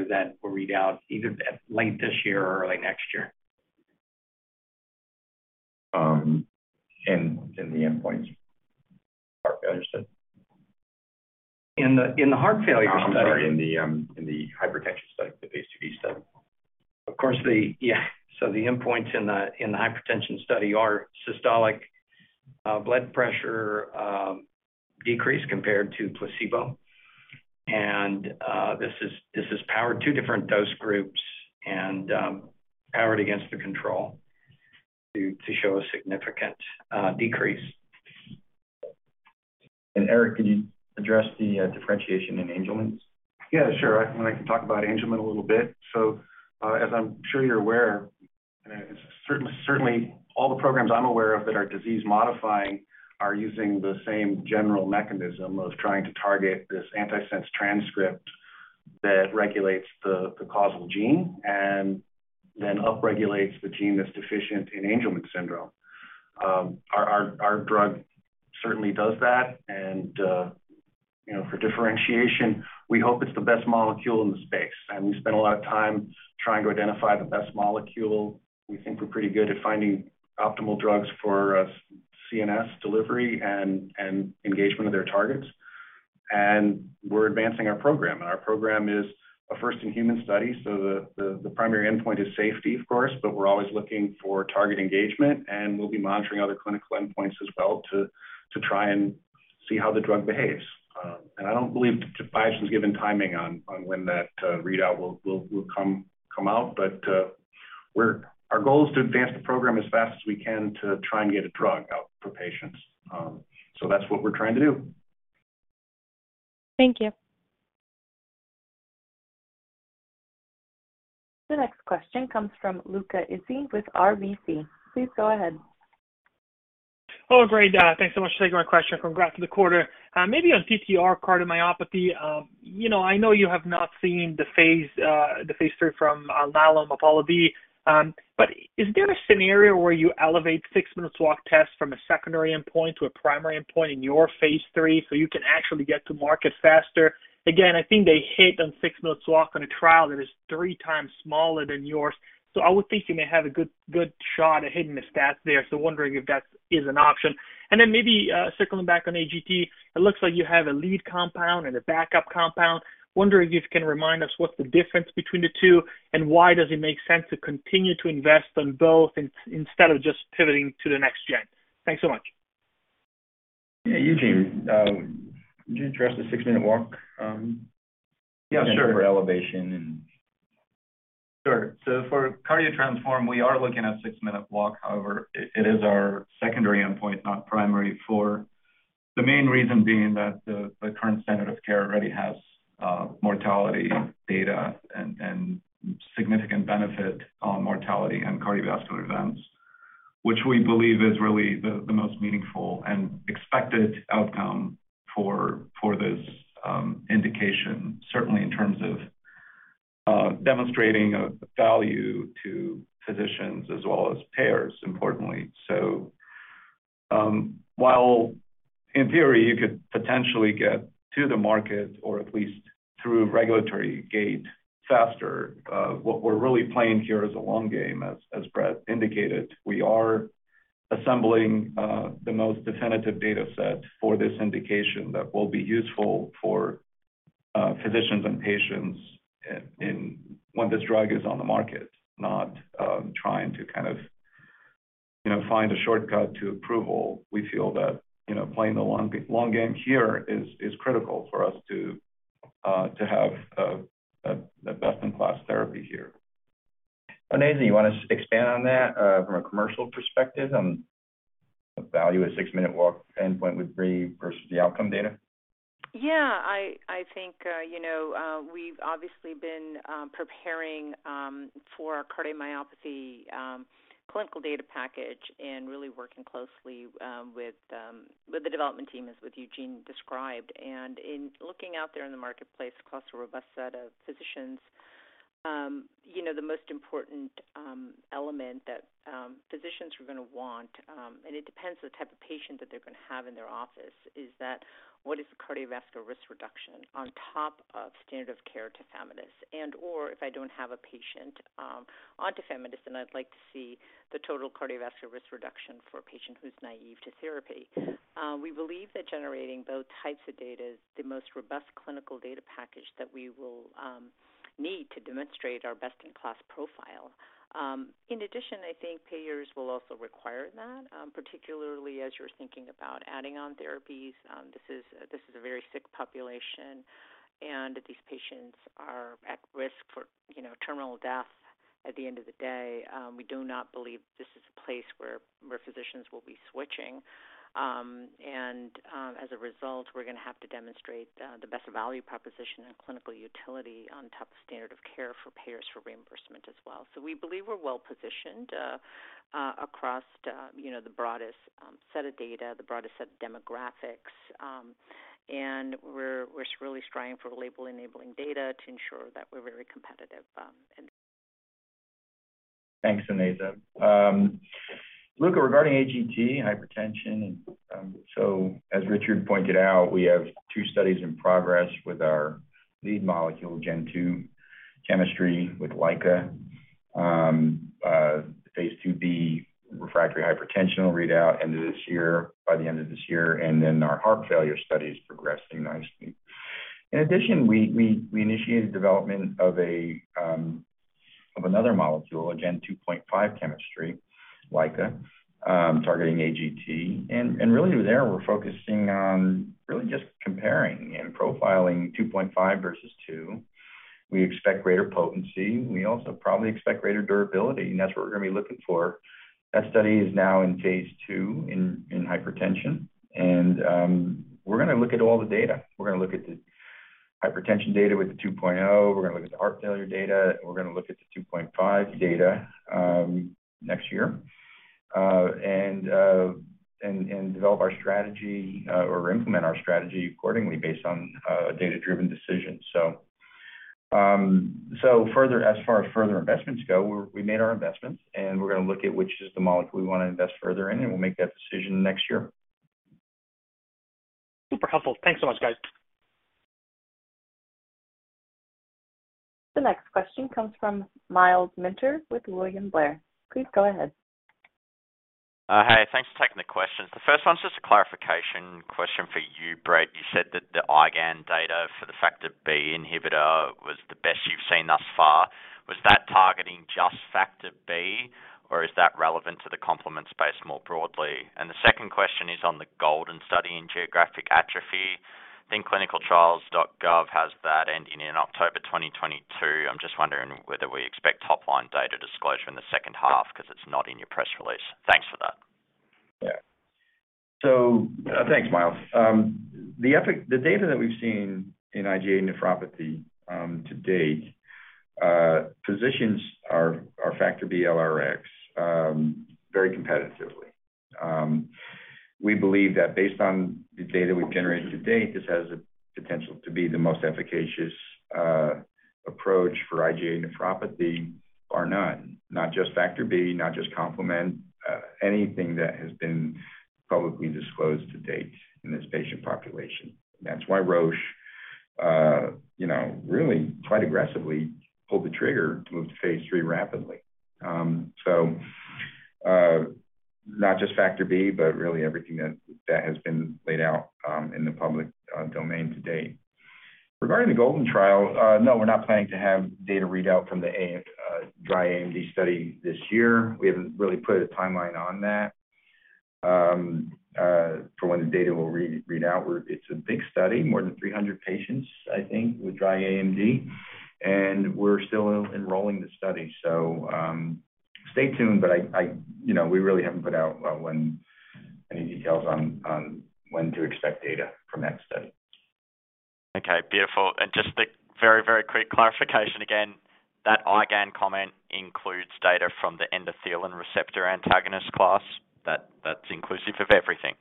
Speaker 4: that will read out either late this year or early next year.
Speaker 3: The endpoints heart failure study?
Speaker 4: In the heart failure study.
Speaker 3: No, I'm sorry, in the hypertension study, the phase 2b study.
Speaker 4: Of course, the endpoints in the hypertension study are systolic blood pressure decrease compared to placebo. This has powered two different dose groups and powered against the control to show a significant decrease.
Speaker 3: Eric, could you address the differentiation in Angelman?
Speaker 13: Yeah, sure. I'm gonna talk about Angelman a little bit. As I'm sure you're aware, and it's certainly all the programs I'm aware of that are disease-modifying are using the same general mechanism of trying to target this antisense transcript that regulates the causal gene and then upregulates the gene that's deficient in Angelman syndrome. Our drug certainly does that. You know, for differentiation, we hope it's the best molecule in the space. We spend a lot of time trying to identify the best molecule. We think we're pretty good at finding optimal drugs for CNS delivery and engagement of their targets. We're advancing our program. Our program is a first-in-human study, so the primary endpoint is safety, of course, but we're always looking for target engagement, and we'll be monitoring other clinical endpoints as well to try and see how the drug behaves. I don't believe Tafi's been given timing on when that readout will come out. Our goal is to advance the program as fast as we can to try and get a drug out for patients. That's what we're trying to do.
Speaker 15: Thank you.
Speaker 5: The next question comes from Luca Issi with RBC. Please go ahead.
Speaker 16: Oh, great. Thanks so much for taking my question. Congrats on the quarter. Maybe on ATTR cardiomyopathy. You know, I know you have not seen the phase 3 from Alnylam, APOLLO. But is there a scenario where you elevate six-minute walk test from a secondary endpoint to a primary endpoint in your phase 3 so you can actually get to market faster? Again, I think they hit on six-minute walk on a trial that is three times smaller than yours. I would think you may have a good shot at hitting the stats there. Wondering if that is an option. Maybe circling back on AGT, it looks like you have a lead compound and a backup compound. Wondering if you can remind us what's the difference between the two, and why does it make sense to continue to invest in both instead of just pivoting to the next gen? Thanks so much.
Speaker 3: Yeah. Eugene, would you address the six-minute walk?
Speaker 9: Yeah, sure.
Speaker 3: -elevation and...
Speaker 9: Sure. For CARDIO-TTRansform, we are looking at six-minute walk. However, it is our secondary endpoint, not primary, for the main reason being that the current standard of care already has mortality data and significant benefit on mortality and cardiovascular events, which we believe is really the most meaningful and expected outcome for this indication, certainly in terms of demonstrating a value to physicians as well as payers, importantly. While in theory, you could potentially get to the market or at least through regulatory gate faster, what we're really playing here is a long game, as Brett indicated. We are assembling the most definitive data set for this indication that will be useful for physicians and patients in when this drug is on the market, not trying to kind of, you know, find a shortcut to approval. We feel that, you know, playing the long game here is critical for us to have a best-in-class therapy here.
Speaker 3: Onaiza, you wanna expand on that, from a commercial perspective on the value a six-minute walk endpoint would bring versus the outcome data?
Speaker 11: Yeah. I think, you know, we've obviously been preparing for our cardiomyopathy clinical data package and really working closely with the development team as Eugene described. In looking out there in the marketplace across a robust set of physicians, you know, the most important element that physicians are gonna want, and it depends on the type of patient that they're gonna have in their office, is that what is the cardiovascular risk reduction on top of standard of care tafamidis? Or if I don't have a patient on tafamidis, then I'd like to see the total cardiovascular risk reduction for a patient who's naive to therapy. We believe that generating both types of data is the most robust clinical data package that we will need to demonstrate our best-in-class profile. In addition, I think payers will also require that, particularly as you're thinking about adding on therapies. This is a very sick population, and these patients are at risk for, you know, terminal death at the end of the day. We do not believe this is a place where physicians will be switching. As a result, we're gonna have to demonstrate the best value proposition and clinical utility on top of standard of care for payers for reimbursement as well. We believe we're well-positioned across, you know, the broadest set of data, the broadest set of demographics. We're really striving for label-enabling data to ensure that we're very competitive, and
Speaker 3: Thanks, Onaiza. Luca, regarding AGT hypertension, as Richard pointed out, we have two studies in progress with our lead molecule, Gen 2.0 chemistry with LICA. Phase 2b refractory hypertension will read out by the end of this year, and then our heart failure study is progressing nicely. In addition, we initiated development of another molecule, a Gen 2.5 chemistry, LICA, targeting AGT. Really there we're focusing on really just comparing and profiling 2.5 versus 2. We expect greater potency. We also probably expect greater durability, and that's what we're gonna be looking for. That study is now in phase 2 in hypertension. We're gonna look at all the data. We're gonna look at the hypertension data with the 2.0, we're gonna look at the heart failure data, and we're gonna look at the 2.5 data next year and develop our strategy or implement our strategy accordingly based on data-driven decisions. So, further as far as further investments go, we made our investments, and we're gonna look at which is the molecule we wanna invest further in, and we'll make that decision next year.
Speaker 16: Super helpful. Thanks so much, guys.
Speaker 5: The next question comes from Myles Minter with William Blair. Please go ahead.
Speaker 17: Hey, thanks for taking the questions. The first one's just a clarification question for you, Brett. You said that the IgAN data for the Factor B inhibitor was the best you've seen thus far. Was that targeting just Factor B, or is that relevant to the complement space more broadly? The second question is on the GOLDEN study in geographic atrophy. I think clinicaltrials.gov has that ending in October 2022. I'm just wondering whether we expect top-line data disclosure in the second half because it's not in your press release. Thanks for that.
Speaker 3: Yeah. Thanks, Myles. The data that we've seen in IgA nephropathy to date positions our Factor B-L(Rx) very competitively. We believe that based on the data we've generated to date, this has the potential to be the most efficacious approach for IgA nephropathy bar none, not just Factor B, not just complement, anything that has been publicly disclosed to date in this patient population. That's why Roche you know really quite aggressively pulled the trigger to move to phase 3 rapidly. Not just Factor B, but really everything that has been laid out in the public domain to date. Regarding the GOLDEN trial, no, we're not planning to have data readout from the dry AMD study this year. We haven't really put a timeline on that for when the data will read out. It's a big study, more than 300 patients, I think, with dry AMD, and we're still enrolling the study. Stay tuned, but you know, we really haven't put out any details on when to expect data from that study.
Speaker 17: Okay, beautiful. Just a very, very quick clarification again. That IGAN comment includes data from the endothelin receptor antagonist class, that's inclusive of everything?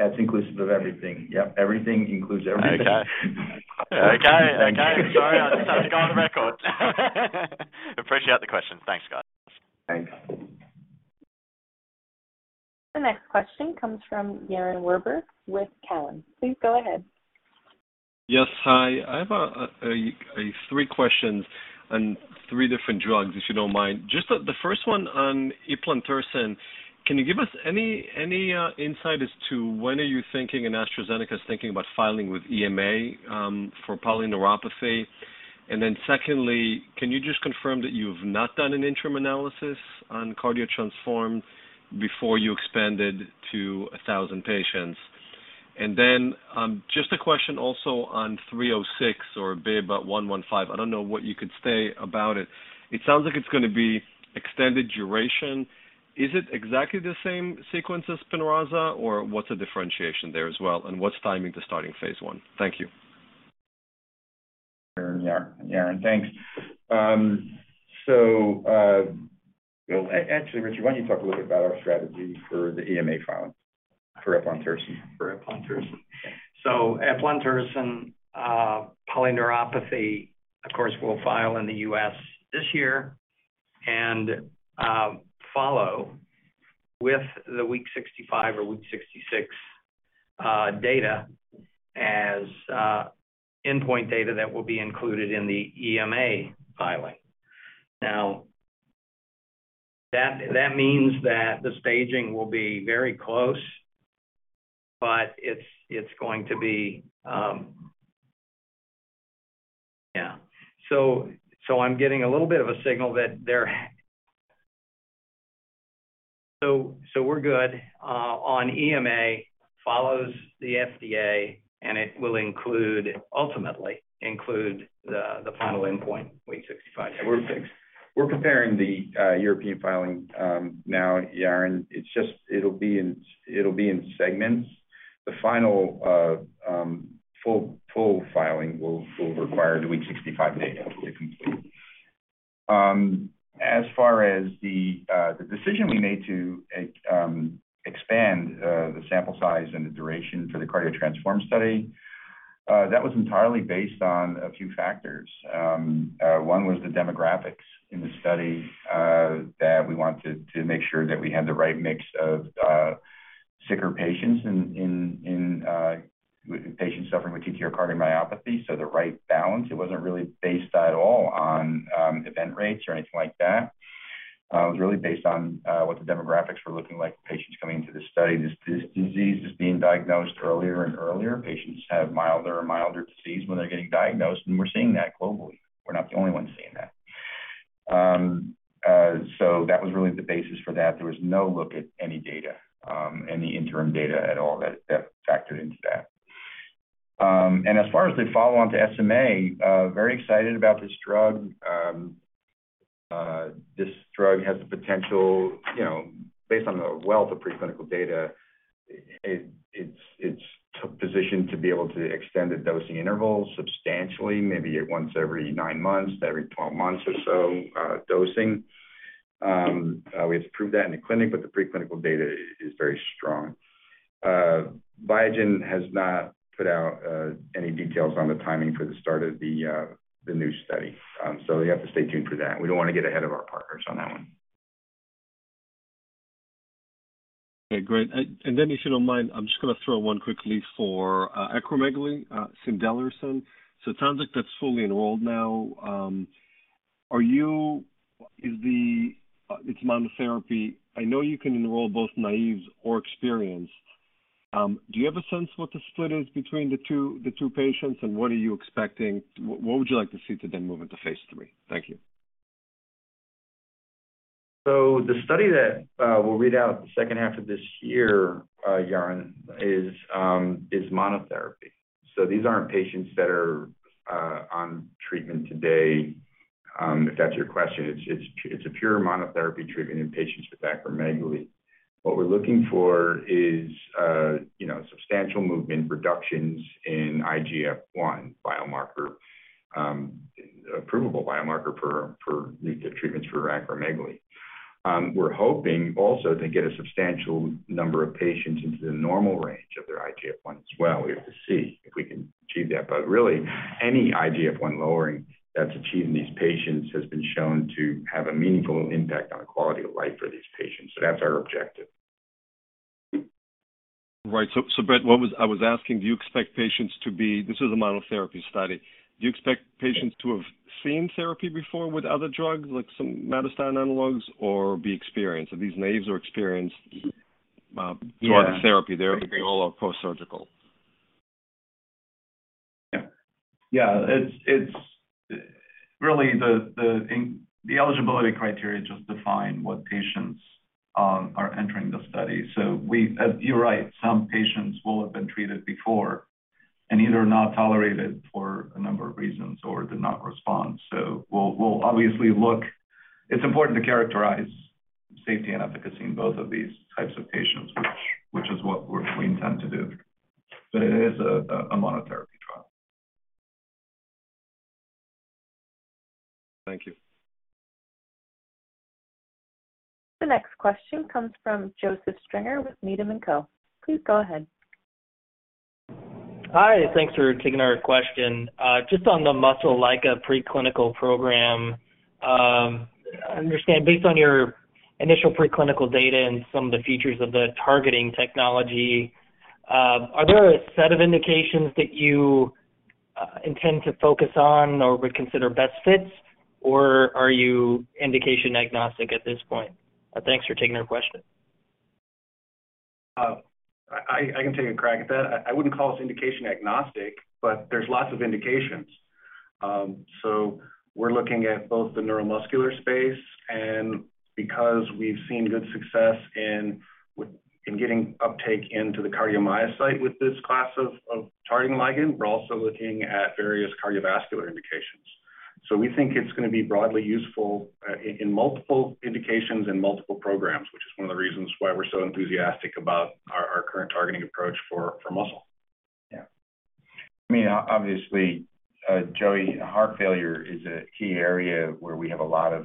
Speaker 3: That's inclusive of everything. Yep. Everything includes everything.
Speaker 17: Okay. Sorry. I just had to go on the record. Appreciate the question. Thanks, guys.
Speaker 3: Thanks.
Speaker 5: The next question comes from Yaron Werber with Cowen. Please go ahead.
Speaker 18: Yes. Hi. I have three questions on three different drugs, if you don't mind. Just the first one on eplontersen. Can you give us any insight as to when are you thinking and AstraZeneca is thinking about filing with EMA, for polyneuropathy? Secondly, can you just confirm that you've not done an interim analysis on CARDIO-TTRansform before you expanded to 1,000 patients? Just a question also on 306 or BIIB115. I don't know what you could say about it. It sounds like it's gonna be extended duration. Is it exactly the same sequence as SPINRAZA, or what's the differentiation there as well? What's timing to starting phase 1? Thank you.
Speaker 3: Yaron, thanks. Actually, Richard, why don't you talk a little bit about our strategy for the EMA filing for eplontersen?
Speaker 4: For eplontersen.
Speaker 3: Yeah.
Speaker 4: Eplontersen polyneuropathy, of course, we'll file in the U.S. this year and follow with the week 65 or week 66 data as endpoint data that will be included in the EMA filing. That means that the staging will be very close, but it's going to be. We're good on EMA follows the FDA, and it will ultimately include the final endpoint, week 65, 66.
Speaker 3: We're preparing the European filing now, Yaron. It's just it'll be in segments. The final full filing will require the week 65 data to be complete. As far as the decision we made to expand the sample size and the duration for the CARDIO-TTRansform study, that was entirely based on a few factors. One was the demographics in the study that we wanted to make sure that we had the right mix of sicker patients in patients suffering with TTR cardiomyopathy, so the right balance. It wasn't really based at all on event rates or anything like that. It was really based on what the demographics were looking like for patients coming into this study. This disease is being diagnosed earlier and earlier. Patients have milder and milder disease when they're getting diagnosed, and we're seeing that globally. We're not the only ones seeing that. That was really the basis for that. There was no look at any data, any interim data at all that factored into that. As far as the follow-on to SMA, very excited about this drug. This drug has the potential, you know, based on the wealth of preclinical data, it's positioned to be able to extend the dosing interval substantially, maybe once every 9 months, every 12 months or so, dosing. We have to prove that in the clinic, but the preclinical data is very strong. Biogen has not put out any details on the timing for the start of the new study. You have to stay tuned for that. We don't wanna get ahead of our partners on that one.
Speaker 18: Okay, great. Then if you don't mind, I'm just gonna throw one quickly for acromegaly, cimdelirsen. It sounds like that's fully enrolled now. Is it monotherapy. I know you can enroll both naïve or experienced. Do you have a sense what the split is between the two patients, and what are you expecting. What would you like to see to then move into phase three. Thank you.
Speaker 3: The study that we'll read out the second half of this year, Yaron, is monotherapy. These aren't patients that are on treatment today, if that's your question. It's a pure monotherapy treatment in patients with acromegaly. What we're looking for is, you know, substantial movement reductions in IGF-I biomarker, approvable biomarker for the treatments for acromegaly. We're hoping also to get a substantial number of patients into the normal range of their IGF-I as well. We have to see if we can achieve that. Really, any IGF-I lowering that's achieved in these patients has been shown to have a meaningful impact on the quality of life for these patients. That's our objective.
Speaker 4: Right. Brett, what was I asking, do you expect patients to be? This is a monotherapy study. Do you expect patients to have seen therapy before with other drugs, like some somatostatin analogs, or be experienced? Are these naive or experienced?
Speaker 3: Yeah.
Speaker 4: throughout the therapy? They're, I think all are postsurgical.
Speaker 3: Yeah. It's really the eligibility criteria just define what patients are entering the study. You're right, some patients will have been treated before, and either not tolerated for a number of reasons or did not respond. We'll obviously look. It's important to characterize safety and efficacy in both of these types of patients, which is what we intend to do. It is a monotherapy trial.
Speaker 18: Thank you.
Speaker 5: The next question comes from Joseph Stringer with Needham & Co. Please go ahead.
Speaker 19: Hi. Thanks for taking our question. Just on the muscle LICA preclinical program, I understand based on your initial preclinical data and some of the features of the targeting technology, are there a set of indications that you intend to focus on or would consider best fits, or are you indication agnostic at this point? Thanks for taking our question.
Speaker 3: I can take a crack at that. I wouldn't call this indication agnostic, but there's lots of indications. We're looking at both the neuromuscular space and because we've seen good success in getting uptake into the cardiomyocyte with this class of targeting ligand. We're also looking at various cardiovascular indications. We think it's gonna be broadly useful in multiple indications and multiple programs, which is one of the reasons why we're so enthusiastic about our current targeting approach for muscle.
Speaker 4: Yeah.
Speaker 3: I mean, obviously, Joey, heart failure is a key area where we have a lot of.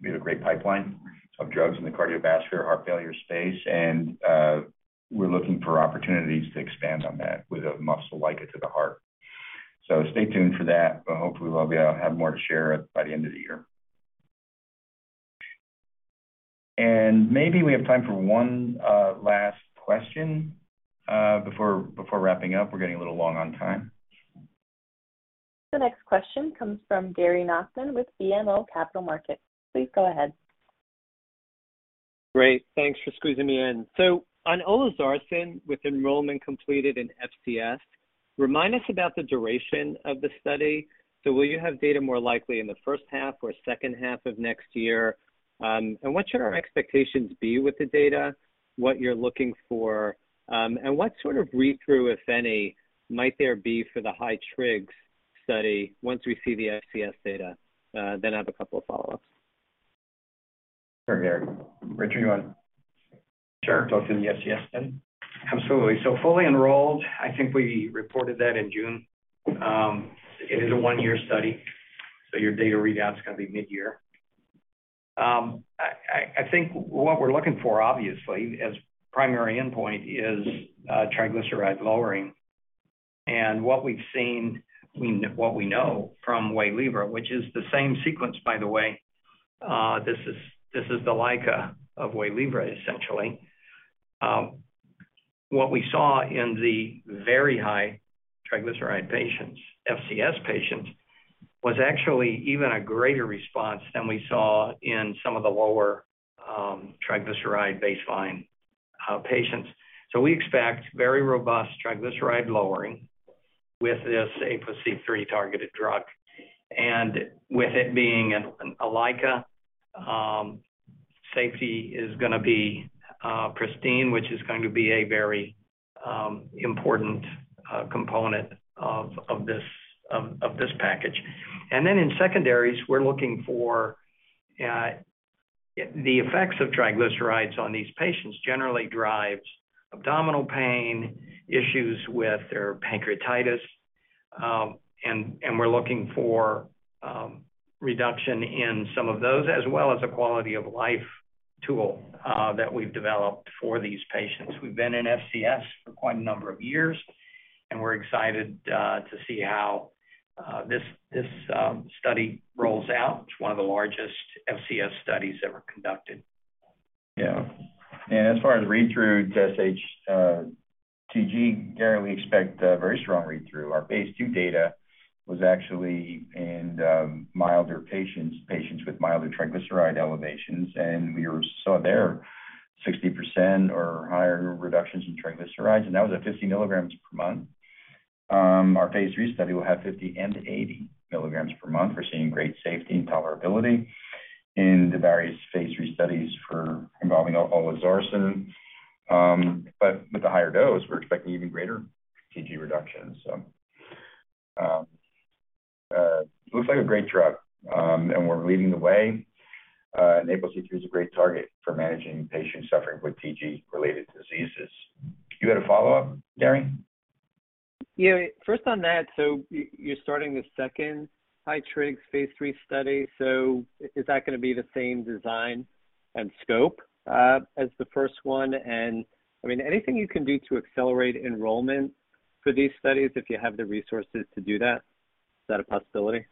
Speaker 3: We have a great pipeline of drugs in the cardiovascular heart failure space, and we're looking for opportunities to expand on that with a muscle like it to the heart. Stay tuned for that. Hopefully, we'll be able to have more to share by the end of the year. Maybe we have time for one last question before wrapping up. We're getting a little long on time.
Speaker 5: The next question comes from Gary Nachman with BMO Capital Markets. Please go ahead.
Speaker 20: Great. Thanks for squeezing me in. On olezarsen, with enrollment completed in FCS, remind us about the duration of the study. Will you have data more likely in the first half or second half of next year? What should our expectations be with the data, what you're looking for? What sort of read-through, if any, might there be for the high trigs study once we see the FCS data? I have a couple of follow-ups.
Speaker 3: Sure, Gary. Richard, you wanna-
Speaker 4: Sure.
Speaker 3: Talk to the FCS then?
Speaker 4: Absolutely. Fully enrolled, I think we reported that in June. It is a one-year study, so your data readout's gonna be mid-year. I think what we're looking for, obviously, as primary endpoint is triglyceride lowering. What we've seen, I mean, what we know from WAYLIVRA, which is the same sequence, by the way, this is the LICA of WAYLIVRA, essentially. What we saw in the very high triglyceride patients, FCS patients, was actually even a greater response than we saw in some of the lower triglyceride baseline patients. We expect very robust triglyceride lowering with this ApoC3-targeted drug. With it being a LICA, safety is gonna be pristine, which is going to be a very important component of this package. In secondaries, we're looking for the effects of triglycerides on these patients generally drives abdominal pain, issues with their pancreatitis. We're looking for reduction in some of those, as well as a quality of life tool that we've developed for these patients. We've been in FCS for quite a number of years, and we're excited to see how this study rolls out. It's one of the largest FCS studies ever conducted.
Speaker 3: Yeah. As far as read-through to sHTG, Gary, we expect a very strong read-through. Our phase 2 data was actually in milder patients with milder triglyceride elevations, and we saw there 60% or higher reductions in triglycerides, and that was at 50 milligrams per month. Our phase 3 study will have 50 and 80 milligrams per month. We're seeing great safety and tolerability in the various phase 3 studies involving olezarsen. But with the higher dose, we're expecting even greater TG reductions. Looks like a great drug, and we're leading the way. ApoC3 is a great target for managing patients suffering with TG-related diseases. You had a follow-up, Gary?
Speaker 20: Yeah. First on that, you're starting the second high trig phase 3 study. Is that gonna be the same design and scope as the first one? I mean, anything you can do to accelerate enrollment for these studies if you have the resources to do that, is that a possibility?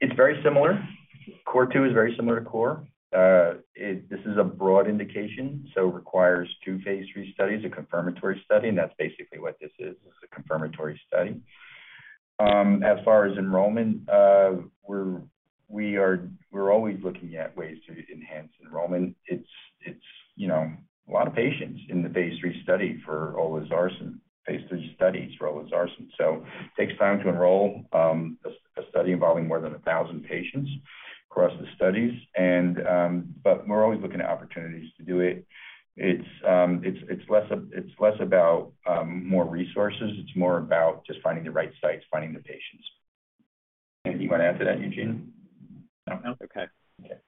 Speaker 3: It's very similar. CORE 2 is very similar to CORE. This is a broad indication, so requires two phase 3 studies, a confirmatory study, and that's basically what this is. This is a confirmatory study. As far as enrollment, we're always looking at ways to enhance enrollment. It's you know a lot of patients in the phase 3 study for olezarsen, phase 3 studies for olezarsen. So takes time to enroll a study involving more than 1,000 patients across the studies. We're always looking at opportunities to do it. It's less about more resources, it's more about just finding the right sites, finding the patients. Anything you wanna add to that, Eugene?
Speaker 9: No.
Speaker 20: Okay.
Speaker 3: Okay.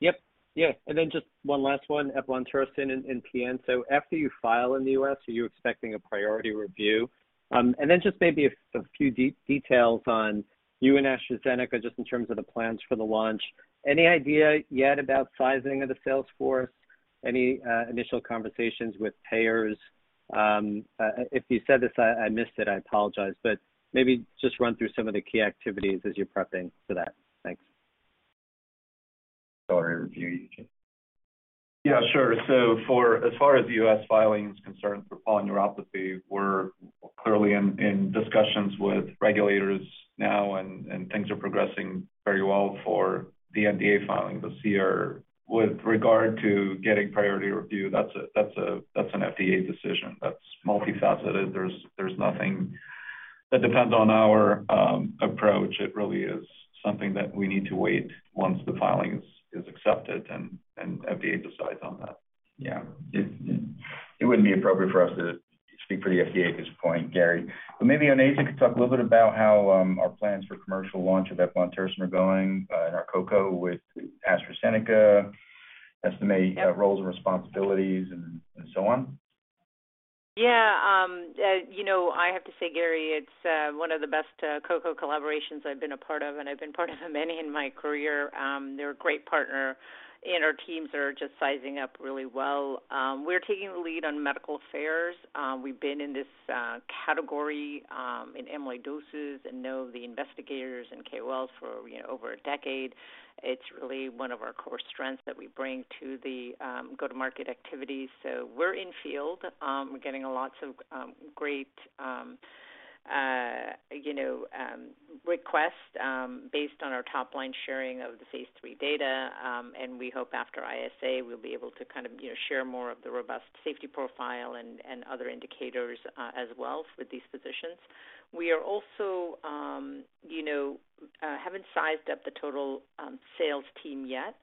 Speaker 20: Yep. Yeah. Then just one last one, eplontersen in PN. After you file in the U.S., are you expecting a priority review? Then just maybe a few details on you and AstraZeneca, just in terms of the plans for the launch. Any idea yet about sizing of the sales force? Any initial conversations with payers? If you said this, I missed it, I apologize, but maybe just run through some of the key activities as you're prepping for that. Thanks.
Speaker 3: Priority review, Eugene.
Speaker 9: Yeah, sure. For as far as the US filing is concerned for polyneuropathy, we're clearly in discussions with regulators now and things are progressing very well for the NDA filing this year. With regard to getting priority review, that's an FDA decision. That's multifaceted. There's nothing that depends on our approach. It really is something that we need to wait once the filing is accepted and FDA decides on that.
Speaker 3: Yeah. It wouldn't be appropriate for us to speak for the FDA at this point, Gary. Maybe Onaiza could talk a little bit about how our plans for commercial launch of eplontersen are going, and our co-co with AstraZeneca as to maybe.
Speaker 11: Yep.
Speaker 3: roles and responsibilities and so on.
Speaker 11: Yeah. You know, I have to say, Gary, it's one of the best collaborations I've been a part of, and I've been part of many in my career. They're a great partner, and our teams are just syncing up really well. We're taking the lead on medical affairs. We've been in this category in amyloidosis and know the investigators and KOLs for, you know, over a decade. It's really one of our core strengths that we bring to the go-to-market activities. We're in field. We're getting lots of great, you know, requests based on our top-line sharing of the phase 3 data. We hope after ISA, we'll be able to kind of, you know, share more of the robust safety profile and other indicators as well with these physicians. We are also, you know, haven't sized up the total sales team yet,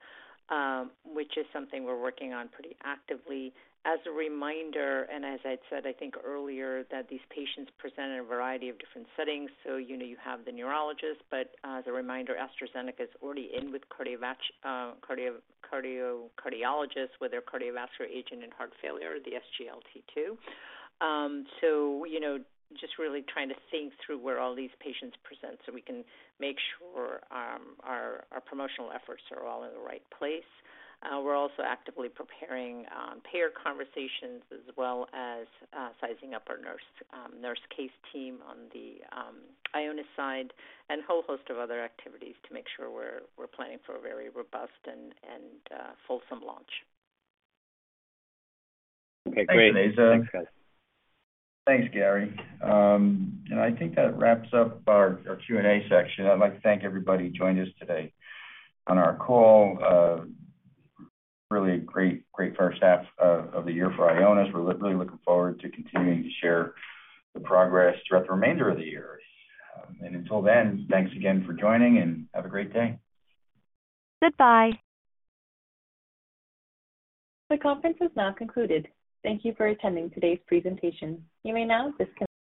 Speaker 11: which is something we're working on pretty actively. As a reminder, as I'd said, I think earlier, that these patients present in a variety of different settings. You know, you have the neurologist, but as a reminder, AstraZeneca is already in with cardiologists with their cardiovascular agent and heart failure, the SGLT2. You know, just really trying to think through where all these patients present so we can make sure our promotional efforts are all in the right place. We're also actively preparing payer conversations as well as sizing up our nurse case team on the Ionis side and whole host of other activities to make sure we're planning for a very robust and fulsome launch.
Speaker 20: Okay, great.
Speaker 3: Thanks, Onaiza.
Speaker 20: Thanks, guys.
Speaker 3: Thanks, Gary. I think that wraps up our Q&A section. I'd like to thank everybody who joined us today on our call. Really great first half of the year for Ionis. We're really looking forward to continuing to share the progress throughout the remainder of the year. Until then, thanks again for joining, and have a great day.
Speaker 5: Goodbye. The conference is now concluded. Thank you for attending today's presentation. You may now disconnect.